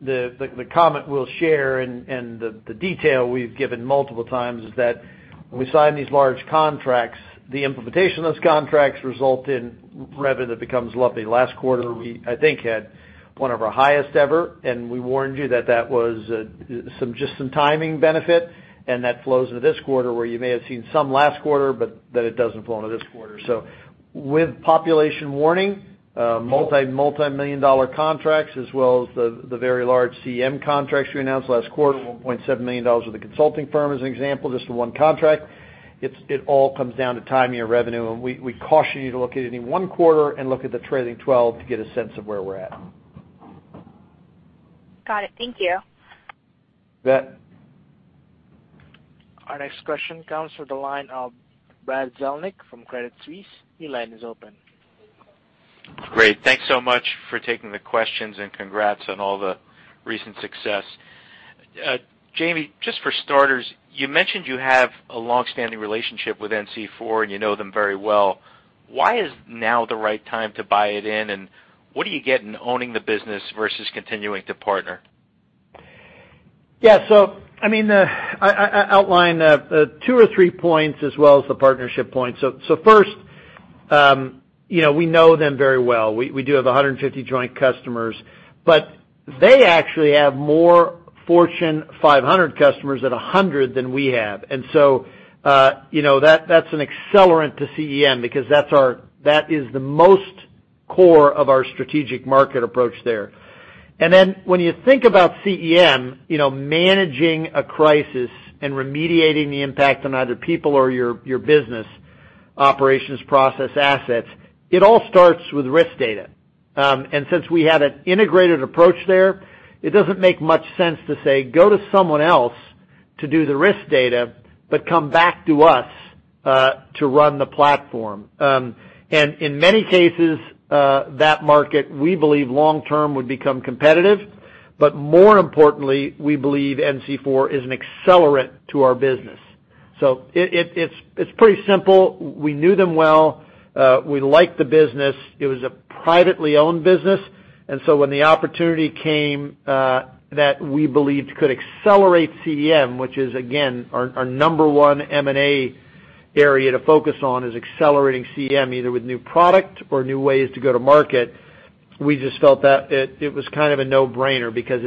the comment we'll share and the detail we've given multiple times is that when we sign these large contracts, the implementation of those contracts result in revenue that becomes lumpy. Last quarter, we, I think, had one of our highest ever. We warned you that that was just some timing benefit. That flows into this quarter, where you may have seen some last quarter, but that it doesn't flow into this quarter. With population warning, multi-million dollar contracts, as well as the very large CEM contracts we announced last quarter, $1.7 million with a consulting firm as an example, just the one contract. It all comes down to timing your revenue. We caution you to look at any one quarter and look at the trailing 12 to get a sense of where we're at. Got it. Thank you. You bet. Our next question comes from the line of Brad Zelnick from Credit Suisse. Your line is open. Great. Thanks so much for taking the questions, and congrats on all the recent success. Jaime, just for starters, you mentioned you have a long-standing relationship with NC4, and you know them very well. Why is now the right time to buy it in, and what do you get in owning the business versus continuing to partner? Yeah. I outlined two or three points as well as the partnership point. First, we know them very well. We do have 150 joint customers, but they actually have more Fortune 500 customers at 100 than we have. That's an accelerant to CEM because that is the most core of our strategic market approach there. When you think about CEM, managing a crisis and remediating the impact on either people or your business operations process assets, it all starts with risk data. Since we had an integrated approach there, it doesn't make much sense to say, "Go to someone else to do the risk data, but come back to us to run the platform." In many cases, that market, we believe long term would become competitive, but more importantly, we believe NC4 is an accelerant to our business. It's pretty simple. We knew them well. We liked the business. It was a privately owned business. When the opportunity came that we believed could accelerate CEM, which is again, our number 1 M&A area to focus on is accelerating CEM, either with new product or new ways to go to market. We just felt that it was kind of a no-brainer because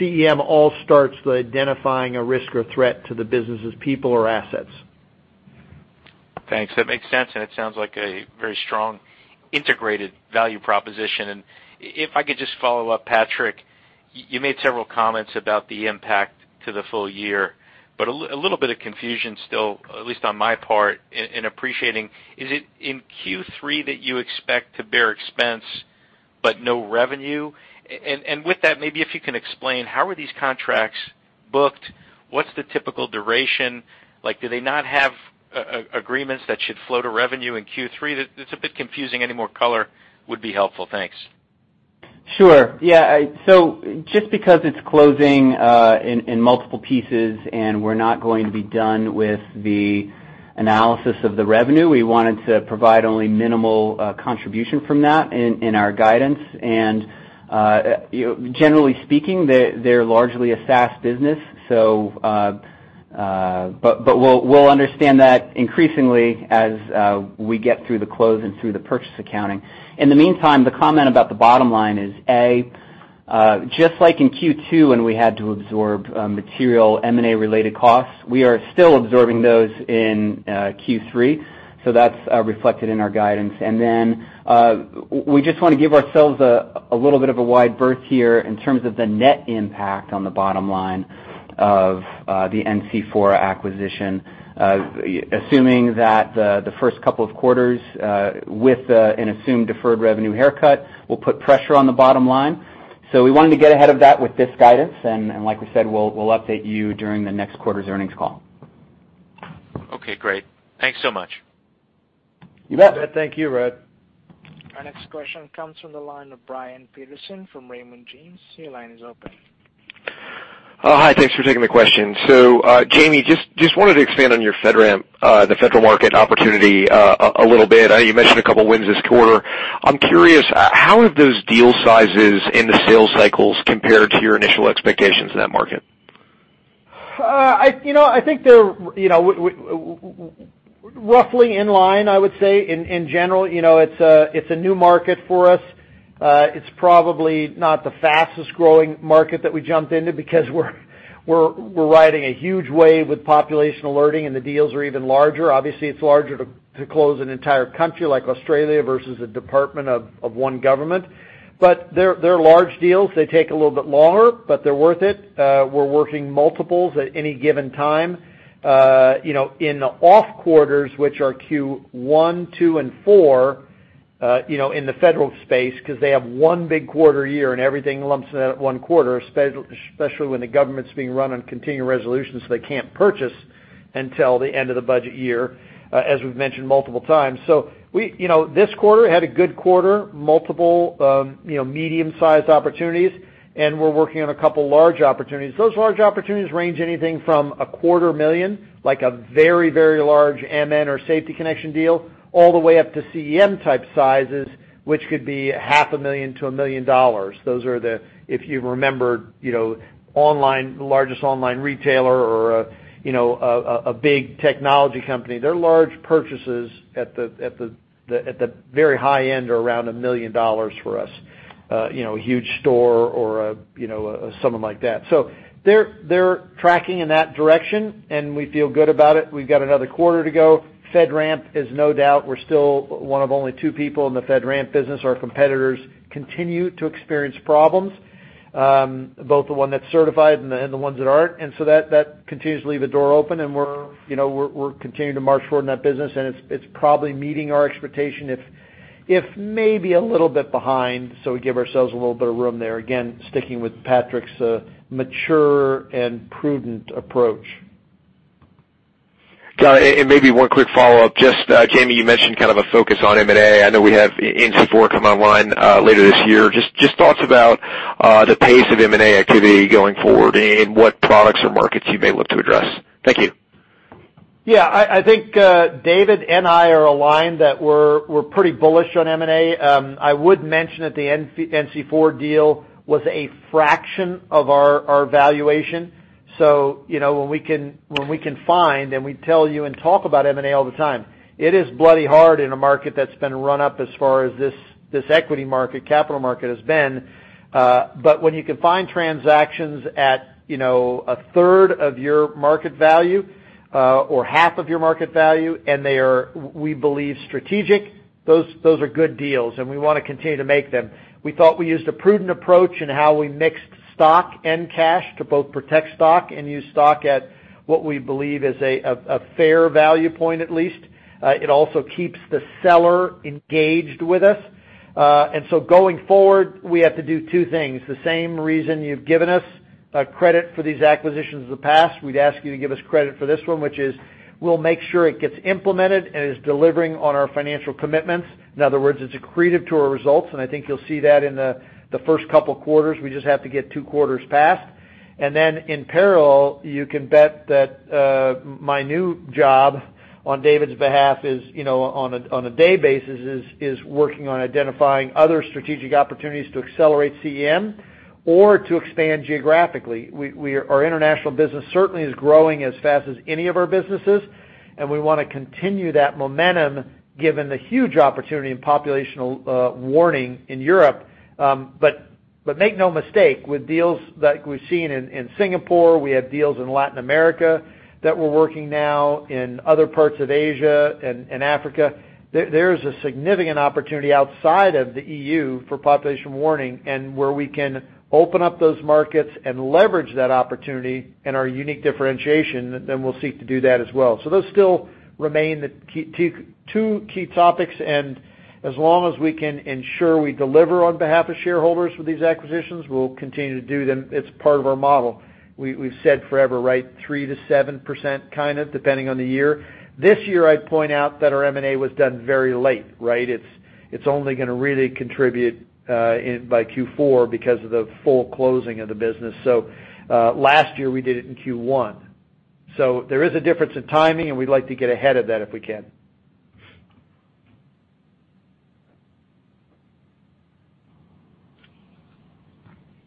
CEM all starts with identifying a risk or threat to the business's people or assets. Thanks. That makes sense, it sounds like a very strong integrated value proposition. If I could just follow up, Patrick, you made several comments about the impact to the full year, a little bit of confusion still, at least on my part in appreciating. Is it in Q3 that you expect to bear expense but no revenue? With that, maybe if you can explain how are these contracts booked? What's the typical duration? Do they not have agreements that should flow to revenue in Q3? It's a bit confusing. Any more color would be helpful. Thanks. Sure. Yeah. Just because it's closing in multiple pieces and we're not going to be done with the analysis of the revenue, we wanted to provide only minimal contribution from that in our guidance. Generally speaking, they're largely a SaaS business. We'll understand that increasingly as we get through the close and through the purchase accounting. In the meantime, the comment about the bottom line is A, just like in Q2 when we had to absorb material M&A-related costs, we are still absorbing those in Q3. That's reflected in our guidance. Then we just want to give ourselves a little bit of a wide berth here in terms of the net impact on the bottom line of the NC4 acquisition. Assuming that the first couple of quarters with an assumed deferred revenue haircut will put pressure on the bottom line. We wanted to get ahead of that with this guidance, and like we said, we'll update you during the next quarter's earnings call. Okay, great. Thanks so much. You bet. Thank you, Brad. Our next question comes from the line of Brian Peterson from Raymond James. Your line is open. Oh, hi. Thanks for taking the question. Jaime, just wanted to expand on your FedRAMP, the federal market opportunity a little bit. I know you mentioned a couple of wins this quarter. I'm curious, how have those deal sizes in the sales cycles compared to your initial expectations in that market? I think they're roughly in line, I would say, in general. It's a new market for us. It's probably not the fastest-growing market that we jumped into because we're riding a huge wave with population alerting and the deals are even larger. Obviously, it's larger to close an entire country like Australia versus a department of one government. They're large deals. They take a little bit longer, but they're worth it. We're working multiples at any given time, in the off quarters, which are Q1, two, and four, in the federal space, because they have one big quarter a year, and everything lumps into that one quarter, especially when the government's being run on continuing resolutions, so they can't purchase until the end of the budget year, as we've mentioned multiple times. This quarter had a good quarter, multiple medium-sized opportunities, and we're working on a couple of large opportunities. Those large opportunities range anything from a quarter million, like a very large MN or Safety Connection deal, all the way up to CEM type sizes, which could be half a million to a million dollars. Those are, if you remember, the largest online retailer or a big technology company. They're large purchases at the very high end or around a million dollars for us. A huge store or someone like that. They're tracking in that direction, and we feel good about it. We've got another quarter to go. FedRAMP is no doubt, we're still one of only two people in the FedRAMP business. Our competitors continue to experience problems, both the one that's certified and the ones that aren't. That continues to leave the door open, and we're continuing to march forward in that business, and it's probably meeting our expectation. If maybe a little bit behind, so we give ourselves a little bit of room there. Again, sticking with Patrick's mature and prudent approach. Got it. Maybe one quick follow-up. Just Jaime, you mentioned kind of a focus on M&A. I know we have NC4 come online later this year. Just thoughts about the pace of M&A activity going forward and what products or markets you may look to address? Thank you. I think David and I are aligned that we're pretty bullish on M&A. I would mention that the NC4 deal was a fraction of our valuation. When we can find, and we tell you and talk about M&A all the time, it is bloody hard in a market that's been run up as far as this equity market, capital market has been. When you can find transactions at a third of your market value, or half of your market value, and they are, we believe strategic, those are good deals, and we want to continue to make them. We thought we used a prudent approach in how we mixed stock and cash to both protect stock and use stock at what we believe is a fair value point at least. It also keeps the seller engaged with us. Going forward, we have to do two things. The same reason you've given us credit for these acquisitions in the past, we'd ask you to give us credit for this one, which is we'll make sure it gets implemented and is delivering on our financial commitments. In other words, it's accretive to our results, and I think you'll see that in the first couple of quarters. We just have to get two quarters past. Then in parallel, you can bet that my new job on David's behalf is, on a day basis, is working on identifying other strategic opportunities to accelerate CEM or to expand geographically. Our international business certainly is growing as fast as any of our businesses, and we want to continue that momentum given the huge opportunity in populational warning in Europe. Make no mistake, with deals like we've seen in Singapore, we have deals in Latin America that we're working now, in other parts of Asia and Africa. There is a significant opportunity outside of the EU for population warning, and where we can open up those markets and leverage that opportunity and our unique differentiation, then we'll seek to do that as well. Those still remain the two key topics, and as long as we can ensure we deliver on behalf of shareholders with these acquisitions, we'll continue to do them. It's part of our model. We've said forever, 3%-7%, kind of, depending on the year. This year, I'd point out that our M&A was done very late, right? It's only going to really contribute by Q4 because of the full closing of the business. Last year, we did it in Q1. There is a difference in timing, and we'd like to get ahead of that if we can.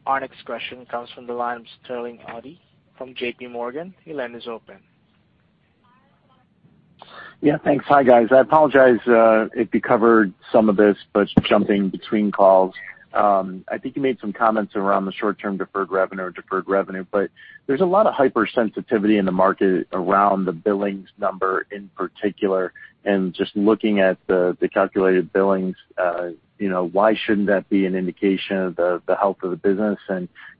Our next question comes from the line of Sterling Auty from JPMorgan. Your line is open. Yeah, thanks. Hi, guys. I apologize if you covered some of this, but jumping between calls. I think you made some comments around the short-term deferred revenue or deferred revenue, but there's a lot of hypersensitivity in the market around the billings number in particular, and just looking at the calculated billings, why shouldn't that be an indication of the health of the business?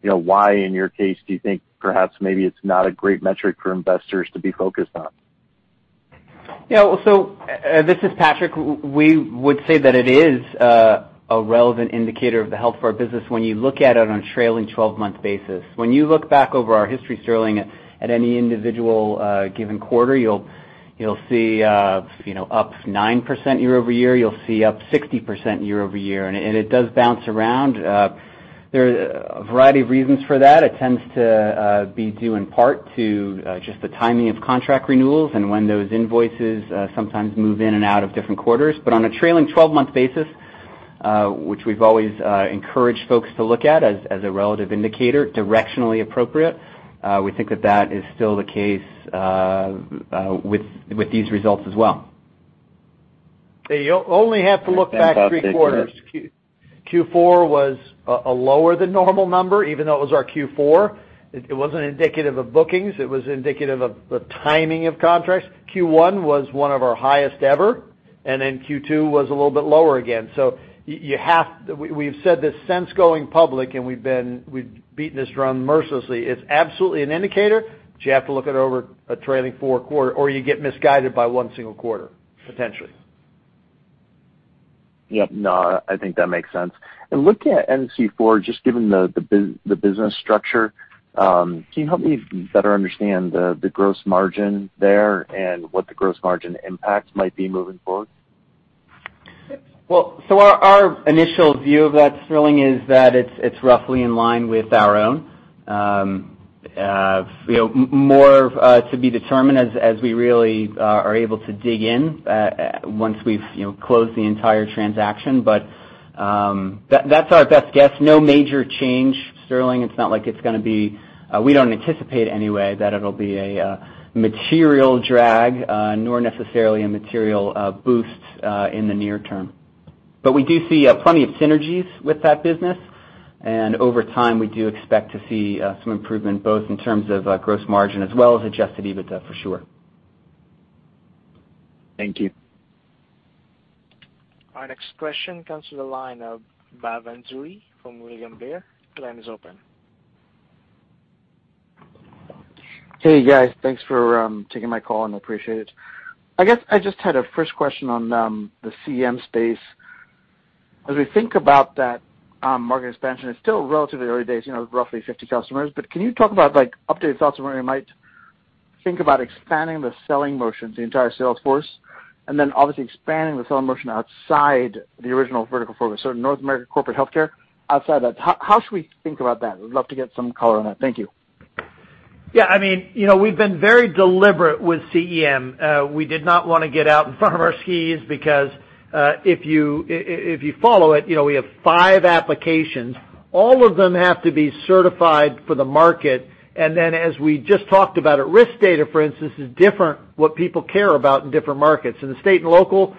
Why, in your case, do you think perhaps maybe it's not a great metric for investors to be focused on? This is Patrick. We would say that it is a relevant indicator of the health of our business when you look at it on a trailing 12-month basis. When you look back over our history, Sterling, at any individual given quarter, you'll see up 9% year-over-year, you'll see up 60% year-over-year, and it does bounce around. There are a variety of reasons for that. It tends to be due in part to just the timing of contract renewals and when those invoices sometimes move in and out of different quarters. On a trailing 12-month basis, which we've always encouraged folks to look at as a relative indicator, directionally appropriate, we think that that is still the case with these results as well. You only have to look back three quarters. Q4 was a lower than normal number, even though it was our Q4. It wasn't indicative of bookings. It was indicative of the timing of contracts. Q1 was one of our highest ever. Q2 was a little bit lower again. We've said this since going public, and we've beaten this drum mercilessly. It's absolutely an indicator, but you have to look at it over a trailing four quarter, or you get misguided by one single quarter, potentially. Yep. No, I think that makes sense. Looking at NC4, just given the business structure, can you help me better understand the gross margin there and what the gross margin impact might be moving forward? Our initial view of that, Sterling, is that it's roughly in line with our own. More to be determined as we really are able to dig in once we've closed the entire transaction. That's our best guess. No major change, Sterling. We don't anticipate any way that it'll be a material drag, nor necessarily a material boost in the near term. We do see plenty of synergies with that business, and over time, we do expect to see some improvement both in terms of gross margin as well as adjusted EBITDA, for sure. Thank you. Our next question comes to the line of Bhavan Suri from William Blair. The line is open. Hey, guys. Thanks for taking my call, and I appreciate it. I guess I just had a first question on the CEM space. As we think about that market expansion, it's still relatively early days, roughly 50 customers. Can you talk about updated thoughts where we might think about expanding the selling motions, the entire sales force, and then obviously expanding the selling motion outside the original vertical focus, so North American corporate healthcare, outside that. How should we think about that? I'd love to get some color on that. Thank you. Yeah. We've been very deliberate with CEM. We did not want to get out in front of our skis because, if you follow it, we have five applications. All of them have to be certified for the market, and then as we just talked about it, risk data, for instance, is different what people care about in different markets. In the state and local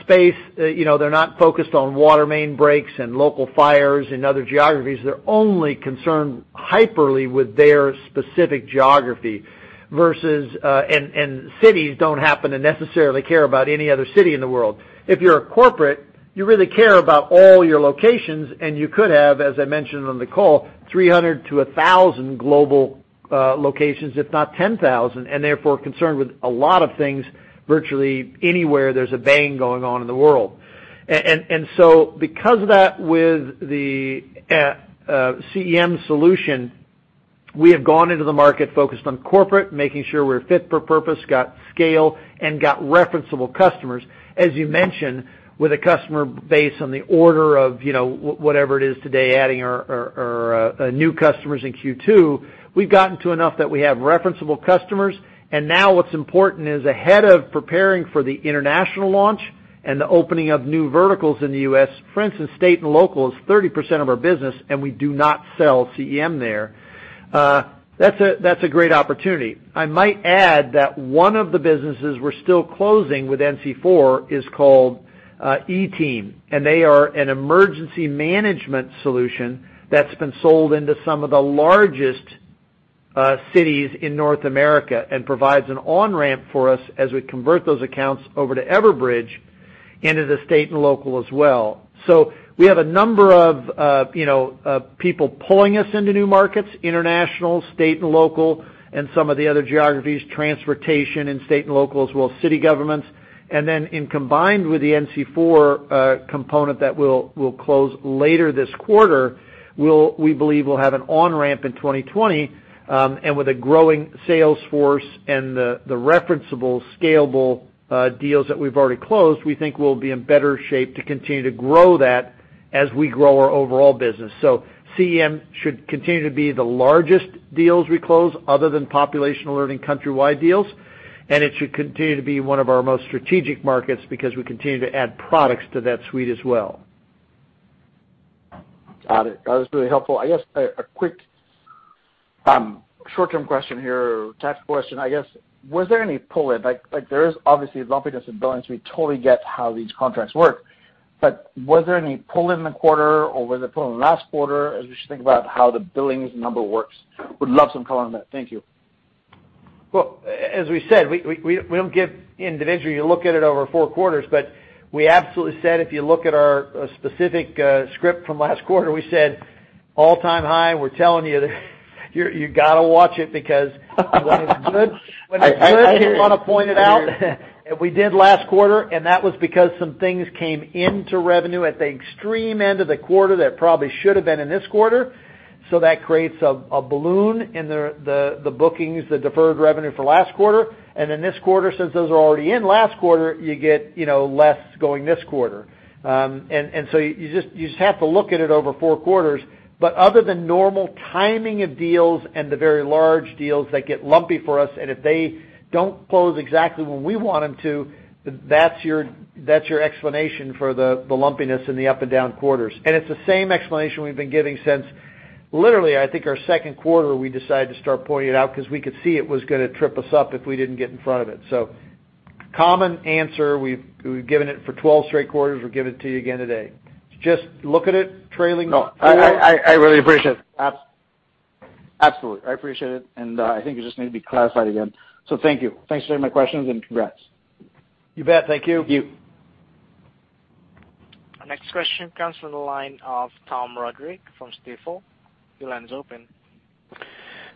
space, they're not focused on water main breaks and local fires and other geographies. They're only concerned hyper-locally with their specific geography, and cities don't happen to necessarily care about any other city in the world. If you're a corporate, you really care about all your locations, and you could have, as I mentioned on the call, 300-1,000 global locations, if not 10,000, and therefore concerned with a lot of things virtually anywhere there's a bang going on in the world. Because of that, with the CEM solution, we have gone into the market focused on corporate, making sure we're fit for purpose, got scale, and got referenceable customers. As you mentioned, with a customer base on the order of whatever it is today, adding our new customers in Q2, we've gotten to enough that we have referenceable customers. Now what's important is ahead of preparing for the international launch and the opening of new verticals in the U.S., for instance, state and local is 30% of our business, and we do not sell CEM there. That's a great opportunity. I might add that one of the businesses we're still closing with NC4 is called ETeam. They are an emergency management solution that's been sold into some of the largest cities in North America and provides an on-ramp for us as we convert those accounts over to Everbridge into the state and local as well. We have a number of people pulling us into new markets, international, state and local, and some of the other geographies, transportation and state and local, as well as city governments. In combined with the NC4 component that we'll close later this quarter, we believe we'll have an on-ramp in 2020. With a growing sales force and the referenceable, scalable deals that we've already closed, we think we'll be in better shape to continue to grow that as we grow our overall business. CEM should continue to be the largest deals we close other than population alerting countrywide deals, and it should continue to be one of our most strategic markets because we continue to add products to that suite as well. Got it. That was really helpful. I guess a quick short-term question here, tax question, I guess. Was there any pull-in? There is obviously lumpiness in billings. We totally get how these contracts work. Was there any pull-in in the quarter, or was it pull-in last quarter as we should think about how the billings number works? Would love some color on that. Thank you. Well, as we said, we don't give individually. You look at it over four quarters, but we absolutely said, if you look at our specific script from last quarter, we said all-time high, and we're telling you that you got to watch it because when it's good. I hear you. We want to point it out. We did last quarter, and that was because some things came into revenue at the extreme end of the quarter that probably should have been in this quarter. That creates a balloon in the bookings, the deferred revenue for last quarter. Then this quarter, since those are already in last quarter, you get less going this quarter. You just have to look at it over four quarters. Other than normal timing of deals and the very large deals that get lumpy for us, and if they don't close exactly when we want them to, that's your explanation for the lumpiness in the up and down quarters. It's the same explanation we've been giving since literally, I think our second quarter, we decided to start pointing it out because we could see it was going to trip us up if we didn't get in front of it. Common answer. We've given it for 12 straight quarters. We'll give it to you again today. Just look at it trailing four. No, I really appreciate it. Absolutely. I appreciate it, and I think it just needed to be clarified again. Thank you. Thanks for taking my questions, and congrats. You bet. Thank you. Thank you. Our next question comes from the line of Tom Roderick from Stifel. Your line's open.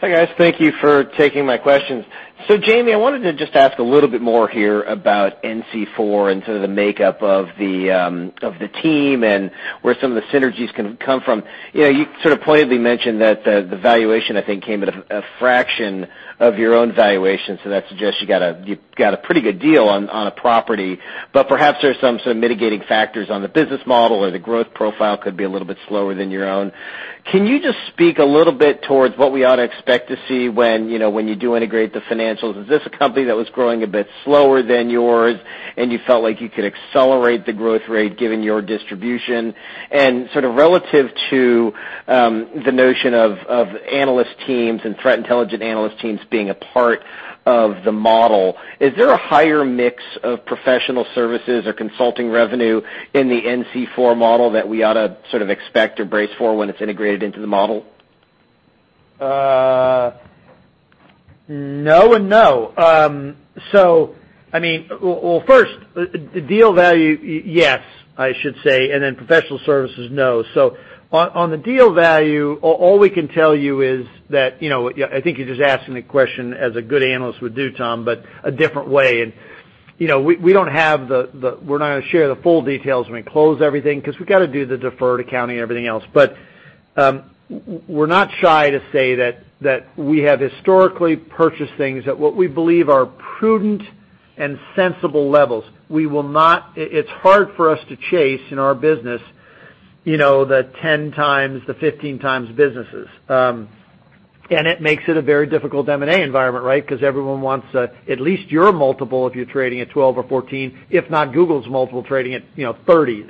Hi, guys. Thank you for taking my questions. Jaime, I wanted to just ask a little bit more here about NC4 and sort of the makeup of the team and where some of the synergies can come from. You sort of pointedly mentioned that the valuation, I think, came at a fraction of your own valuation. That suggests you got a pretty good deal on a property, but perhaps there's some sort of mitigating factors on the business model or the growth profile could be a little bit slower than your own. Can you just speak a little bit towards what we ought to expect to see when you do integrate the financials? Is this a company that was growing a bit slower than yours, and you felt like you could accelerate the growth rate given your distribution? Sort of relative to the notion of analyst teams and threat intelligence analyst teams being a part of the model, is there a higher mix of professional services or consulting revenue in the NC4 model that we ought to sort of expect or brace for when it's integrated into the model? No and no. First, the deal value, yes, I should say, and then professional services, no. On the deal value, all we can tell you is that, I think you're just asking the question as a good analyst would do, Tom, but a different way. We're not going to share the full details when we close everything because we've got to do the deferred accounting and everything else. We're not shy to say that we have historically purchased things at what we believe are prudent and sensible levels. It's hard for us to chase in our business, the 10x, the 15x businesses. It makes it a very difficult M&A environment, right? Because everyone wants at least your multiple if you're trading at 12 or 14, if not Google's multiple trading at 30.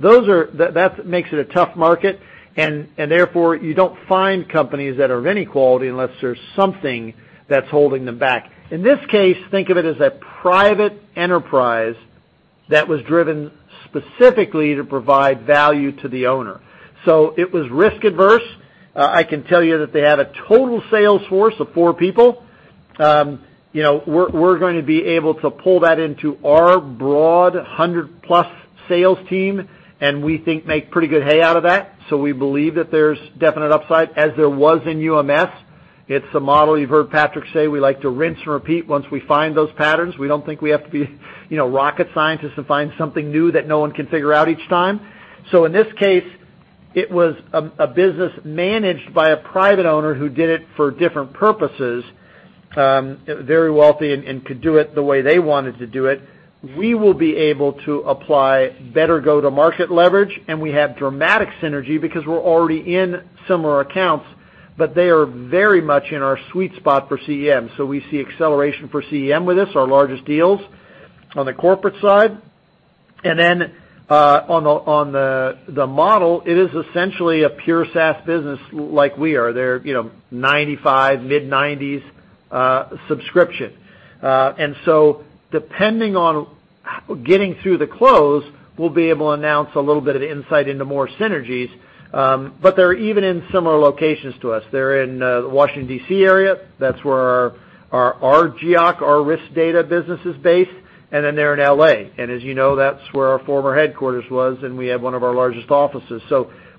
That makes it a tough market, and therefore you don't find companies that are of any quality unless there's something that's holding them back. In this case, think of it as a private enterprise that was driven specifically to provide value to the owner. It was risk-averse. I can tell you that they had a total sales force of four people. We're going to be able to pull that into our broad 100-plus sales team, and we think make pretty good hay out of that. We believe that there's definite upside, as there was in UMS. It's a model you've heard Patrick say we like to rinse and repeat once we find those patterns. We don't think we have to be rocket scientists to find something new that no one can figure out each time. In this case, it was a business managed by a private owner who did it for different purposes, very wealthy and could do it the way they wanted to do it. We will be able to apply better go-to-market leverage, and we have dramatic synergy because we're already in similar accounts, but they are very much in our sweet spot for CEM. We see acceleration for CEM with this, our largest deals on the corporate side. On the model, it is essentially a pure SaaS business like we are. They're 95%, mid-90s% subscription. Depending on getting through the close, we'll be able to announce a little bit of insight into more synergies. But they're even in similar locations to us. They're in the Washington D.C. area. That's where our risk data business is based. They're in L.A. As you know, that's where our former headquarters was, and we had one of our largest offices.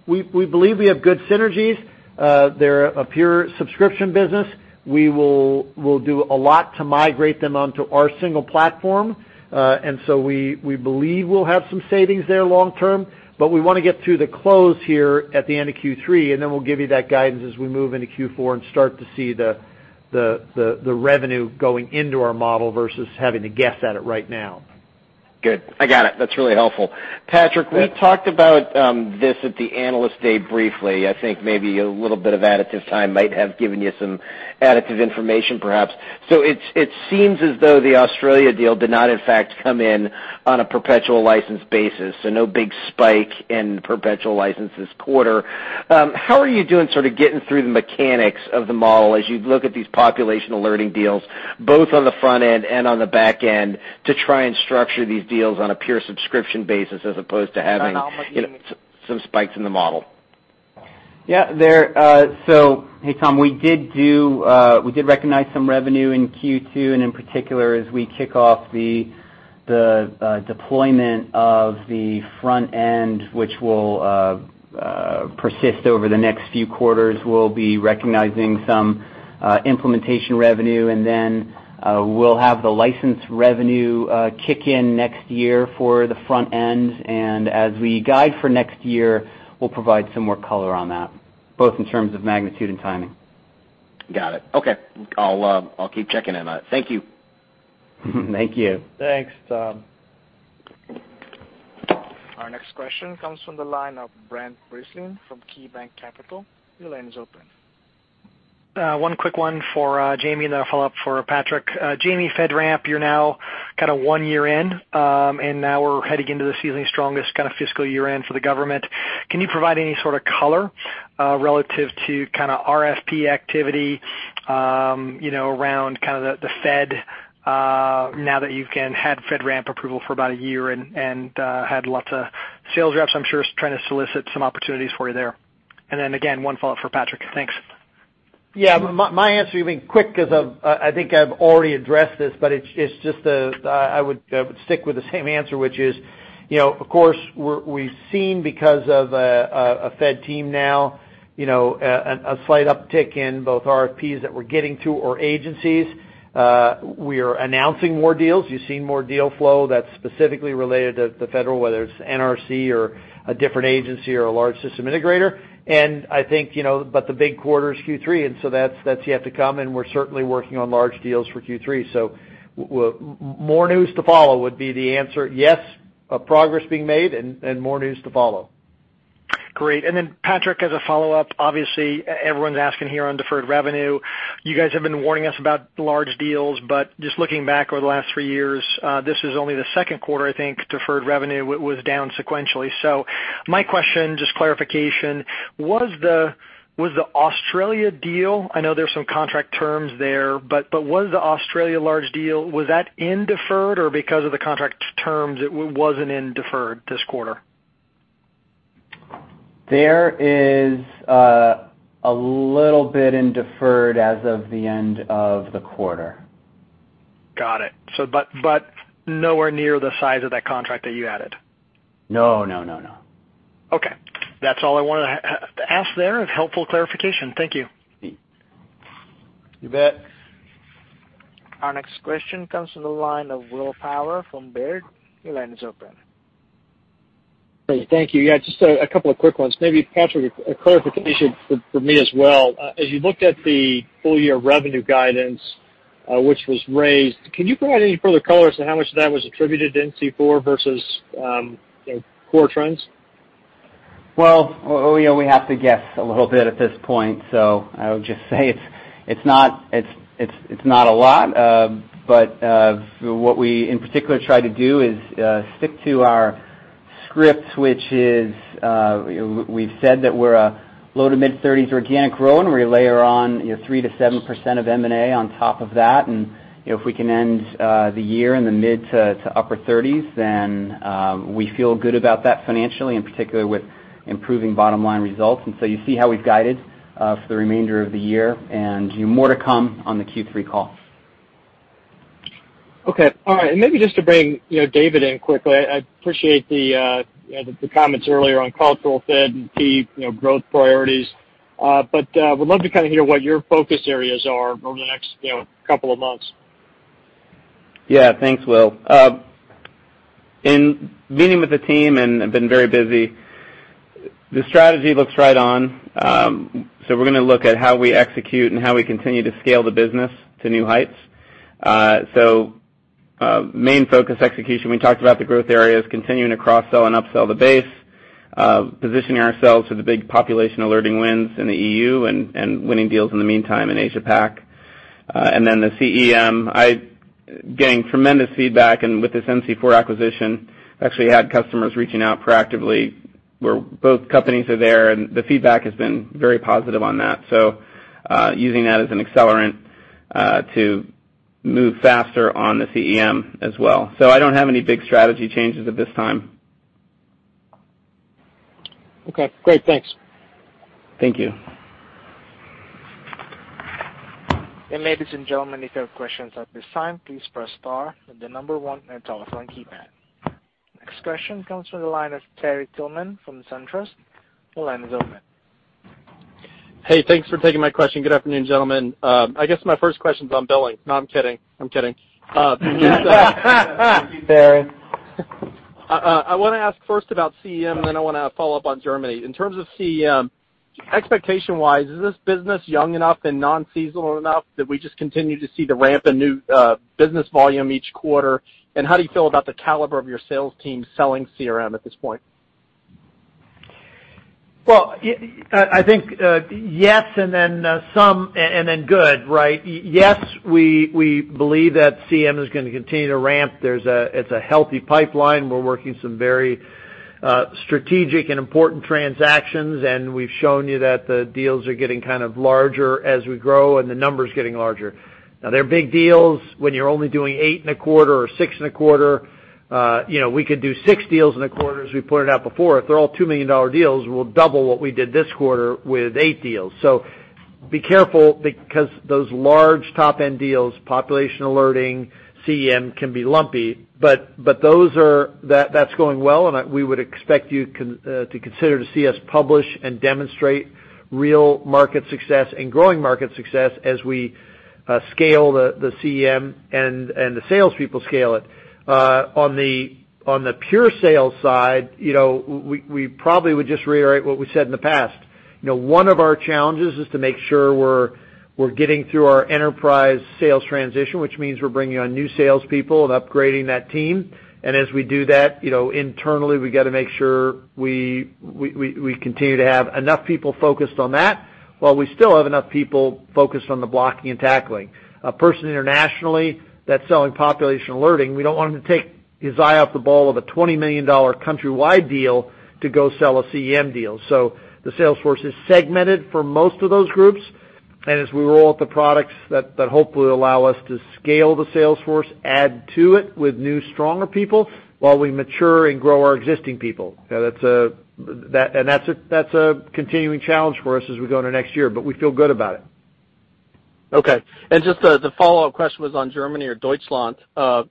We believe we have good synergies. They're a pure subscription business. We'll do a lot to migrate them onto our single platform. We believe we'll have some savings there long term, but we want to get through the close here at the end of Q3, then we'll give you that guidance as we move into Q4 and start to see the revenue going into our model versus having to guess at it right now. Good. I got it. That is really helpful. Patrick, we talked about this at the Analyst Day briefly. I think maybe a little bit of additive time might have given you some additive information, perhaps. It seems as though the Australia deal did not, in fact, come in on a perpetual license basis. No big spike in perpetual license this quarter. How are you doing sort of getting through the mechanics of the model as you look at these population alerting deals, both on the front end and on the back end to try and structure these deals on a pure subscription basis as opposed to having some spikes in the model? Yeah. Hey, Tom. We did recognize some revenue in Q2, and in particular, as we kick off the deployment of the front end, which will persist over the next few quarters, we'll be recognizing some implementation revenue, and then we'll have the license revenue kick in next year for the front end. As we guide for next year, we'll provide some more color on that, both in terms of magnitude and timing. Got it. Okay. I'll keep checking in. Thank you. Thank you. Thanks, Tom. Our next question comes from the line of Brent Bracelin from KeyBanc Capital. Your line is open. One quick one for Jaime, and then a follow-up for Patrick. Jaime, FedRAMP, you're now kind of one year in, and now we're heading into the seasonally strongest kind of fiscal year-end for the government. Can you provide any sort of color relative to kind of RFP activity around kind of the Fed now that you've had FedRAMP approval for about a year and had lots of sales reps, I'm sure, trying to solicit some opportunities for you there. Then again, one follow-up for Patrick. Thanks. Yeah. My answer will be quick because I think I've already addressed this, but I would stick with the same answer, which is, of course, we've seen, because of a FedRAMP now, a slight uptick in both RFPs that we're getting to our agencies. We are announcing more deals. You've seen more deal flow that's specifically related to the federal, whether it's NRC or a different agency or a large system integrator. I think, but the big quarter is Q3, and so that's yet to come, and we're certainly working on large deals for Q3. More news to follow would be the answer. Yes, progress being made and more news to follow. Great. Patrick, as a follow-up, obviously everyone's asking here on deferred revenue. You guys have been warning us about large deals, but just looking back over the last three years, this is only the second quarter, I think, deferred revenue was down sequentially. My question, just clarification, was the Australia deal, I know there's some contract terms there, but was the Australia large deal, was that in deferred or because of the contract terms it wasn't in deferred this quarter? There is a little bit in deferred as of the end of the quarter. Got it. Nowhere near the size of that contract that you added? No. Okay. That's all I wanted to ask there and helpful clarification. Thank you. You bet. Our next question comes from the line of Will Power from Baird. Your line is open. Thank you. Yeah, just a couple of quick ones. Maybe Patrick, a clarification for me as well. As you looked at the full year revenue guidance, which was raised, can you provide any further color as to how much of that was attributed to NC4 versus core trends? We have to guess a little bit at this point, so I would just say it's not a lot. What we in particular try to do is stick to our script, which is, we've said that we're a low to mid-30s organic growth, and we layer on 3%-7% of M&A on top of that. If we can end the year in the mid to upper 30s, then we feel good about that financially, in particular with improving bottom-line results. You see how we've guided for the remainder of the year and more to come on the Q3 call. Okay. All right. Maybe just to bring David in quickly. I appreciate the comments earlier on cultural fit and key growth priorities. Would love to hear what your focus areas are over the next couple of months. Yeah. Thanks, Will. In meeting with the team, and I've been very busy, the strategy looks right on. We're going to look at how we execute and how we continue to scale the business to new heights. Main focus execution, we talked about the growth areas, continuing to cross-sell and up-sell the base, positioning ourselves for the big population alerting wins in the EU and winning deals in the meantime in Asia Pac. The CEM, I'm getting tremendous feedback, and with this NC4 acquisition, actually had customers reaching out proactively where both companies are there, and the feedback has been very positive on that. Using that as an accelerant to move faster on the CEM as well. I don't have any big strategy changes at this time. Okay, great. Thanks. Thank you. Ladies and gentlemen, if you have questions at this time, please press star then the number one on your telephone keypad. Next question comes from the line of Terry Tillman from SunTrust. Your line is open. Hey, thanks for taking my question. Good afternoon, gentlemen. I guess my first question's on billing. No, I'm kidding. Terry. I want to ask first about CEM, then I want to follow up on Germany. In terms of CEM, expectation-wise, is this business young enough and non-seasonal enough that we just continue to see the ramp in new business volume each quarter? How do you feel about the caliber of your sales team selling CEM at this point? I think, yes, and then some, and then good, right? Yes. We believe that CEM is going to continue to ramp. It's a healthy pipeline. We're working some very strategic and important transactions, and we've shown you that the deals are getting larger as we grow and the numbers getting larger. Now, they're big deals. When you're only doing eight in a quarter or six in a quarter, we could do six deals in a quarter, as we pointed out before. If they're all $2 million deals, we'll double what we did this quarter with eight deals. Be careful because those large top-end deals, population alerting, CEM, can be lumpy. That's going well, and we would expect you to consider to see us publish and demonstrate real market success and growing market success as we scale the CEM and the salespeople scale it. On the pure sales side, we probably would just reiterate what we said in the past. One of our challenges is to make sure we're getting through our enterprise sales transition, which means we're bringing on new salespeople and upgrading that team. As we do that, internally, we got to make sure we continue to have enough people focused on that while we still have enough people focused on the blocking and tackling. A person internationally that's selling population alerting, we don't want him to take his eye off the ball of a $20 million countrywide deal to go sell a CEM deal. The sales force is segmented for most of those groups. As we roll out the products, that hopefully allow us to scale the sales force, add to it with new, stronger people while we mature and grow our existing people. That's a continuing challenge for us as we go into next year, but we feel good about it. Okay. Just the follow-up question was on Germany or Deutschland. I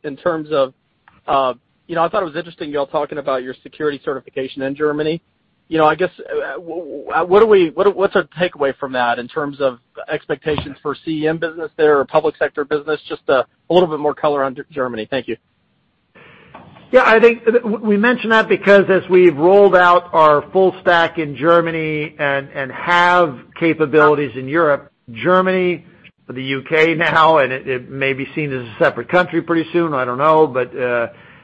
thought it was interesting you all talking about your security certification in Germany. I guess, what's our takeaway from that in terms of expectations for CEM business there or public sector business? Just a little bit more color on Germany. Thank you. Yeah, I think we mentioned that because as we've rolled out our full stack in Germany and have capabilities in Europe, Germany, the U.K. now, and it may be seen as a separate country pretty soon, I don't know,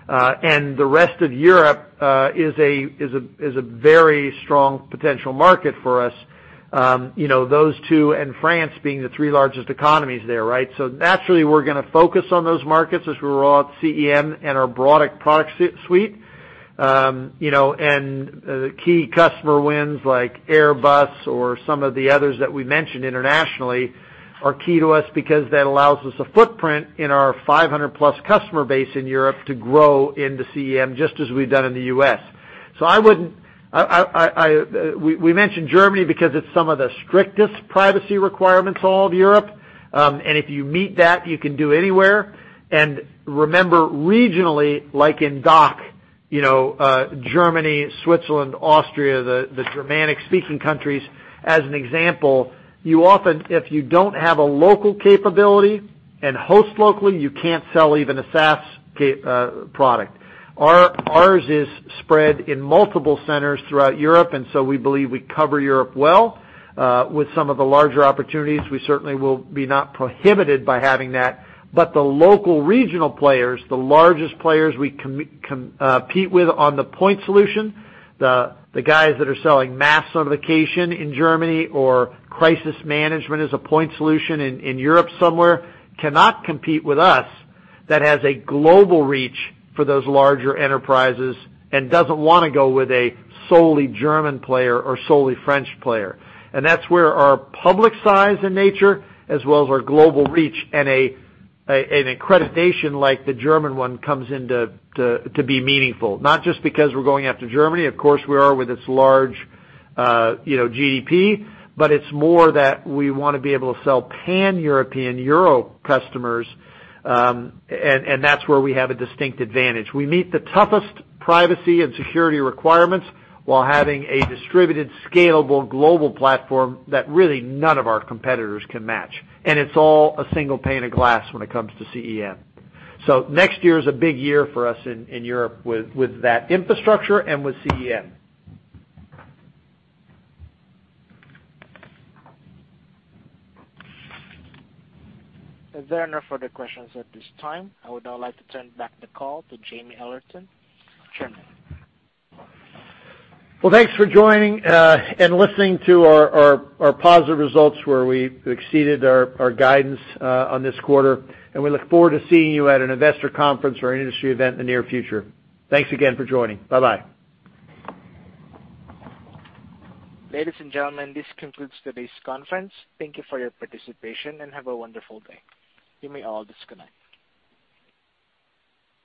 and the rest of Europe, is a very strong potential market for us. Those two and France being the three largest economies there, right? Naturally, we're going to focus on those markets as we roll out CEM and our broader product suite. The key customer wins like Airbus or some of the others that we mentioned internationally are key to us because that allows us a footprint in our 500+ customer base in Europe to grow into CEM just as we've done in the U.S. We mentioned Germany because it's some of the strictest privacy requirements in all of Europe. If you meet that, you can do anywhere. Remember, regionally, like in DACH, Germany, Switzerland, Austria, the Germanic-speaking countries, as an example, if you don't have a local capability and host locally, you can't sell even a SaaS product. Ours is spread in multiple centers throughout Europe, so we believe we cover Europe well. With some of the larger opportunities, we certainly will be not prohibited by having that. The local regional players, the largest players we compete with on the point solution, the guys that are selling Mass Notification in Germany or Crisis Management as a point solution in Europe somewhere, cannot compete with us that has a global reach for those larger enterprises and doesn't want to go with a solely German player or solely French player. That's where our public size and nature, as well as our global reach and an accreditation like the German one comes in to be meaningful. Not just because we're going after Germany, of course, we are with its large GDP, but it's more that we want to be able to sell Pan-European euro customers, and that's where we have a distinct advantage. We meet the toughest privacy and security requirements while having a distributed, scalable global platform that really none of our competitors can match. It's all a single pane of glass when it comes to CEM. Next year is a big year for us in Europe with that infrastructure and with CEM. There are no further questions at this time. I would now like to turn back the call to Jaime Ellertson, chairman. Well, thanks for joining and listening to our positive results where we exceeded our guidance on this quarter. We look forward to seeing you at an investor conference or an industry event in the near future. Thanks again for joining. Bye-bye. Ladies and gentlemen, this concludes today's conference. Thank you for your participation, and have a wonderful day. You may all disconnect.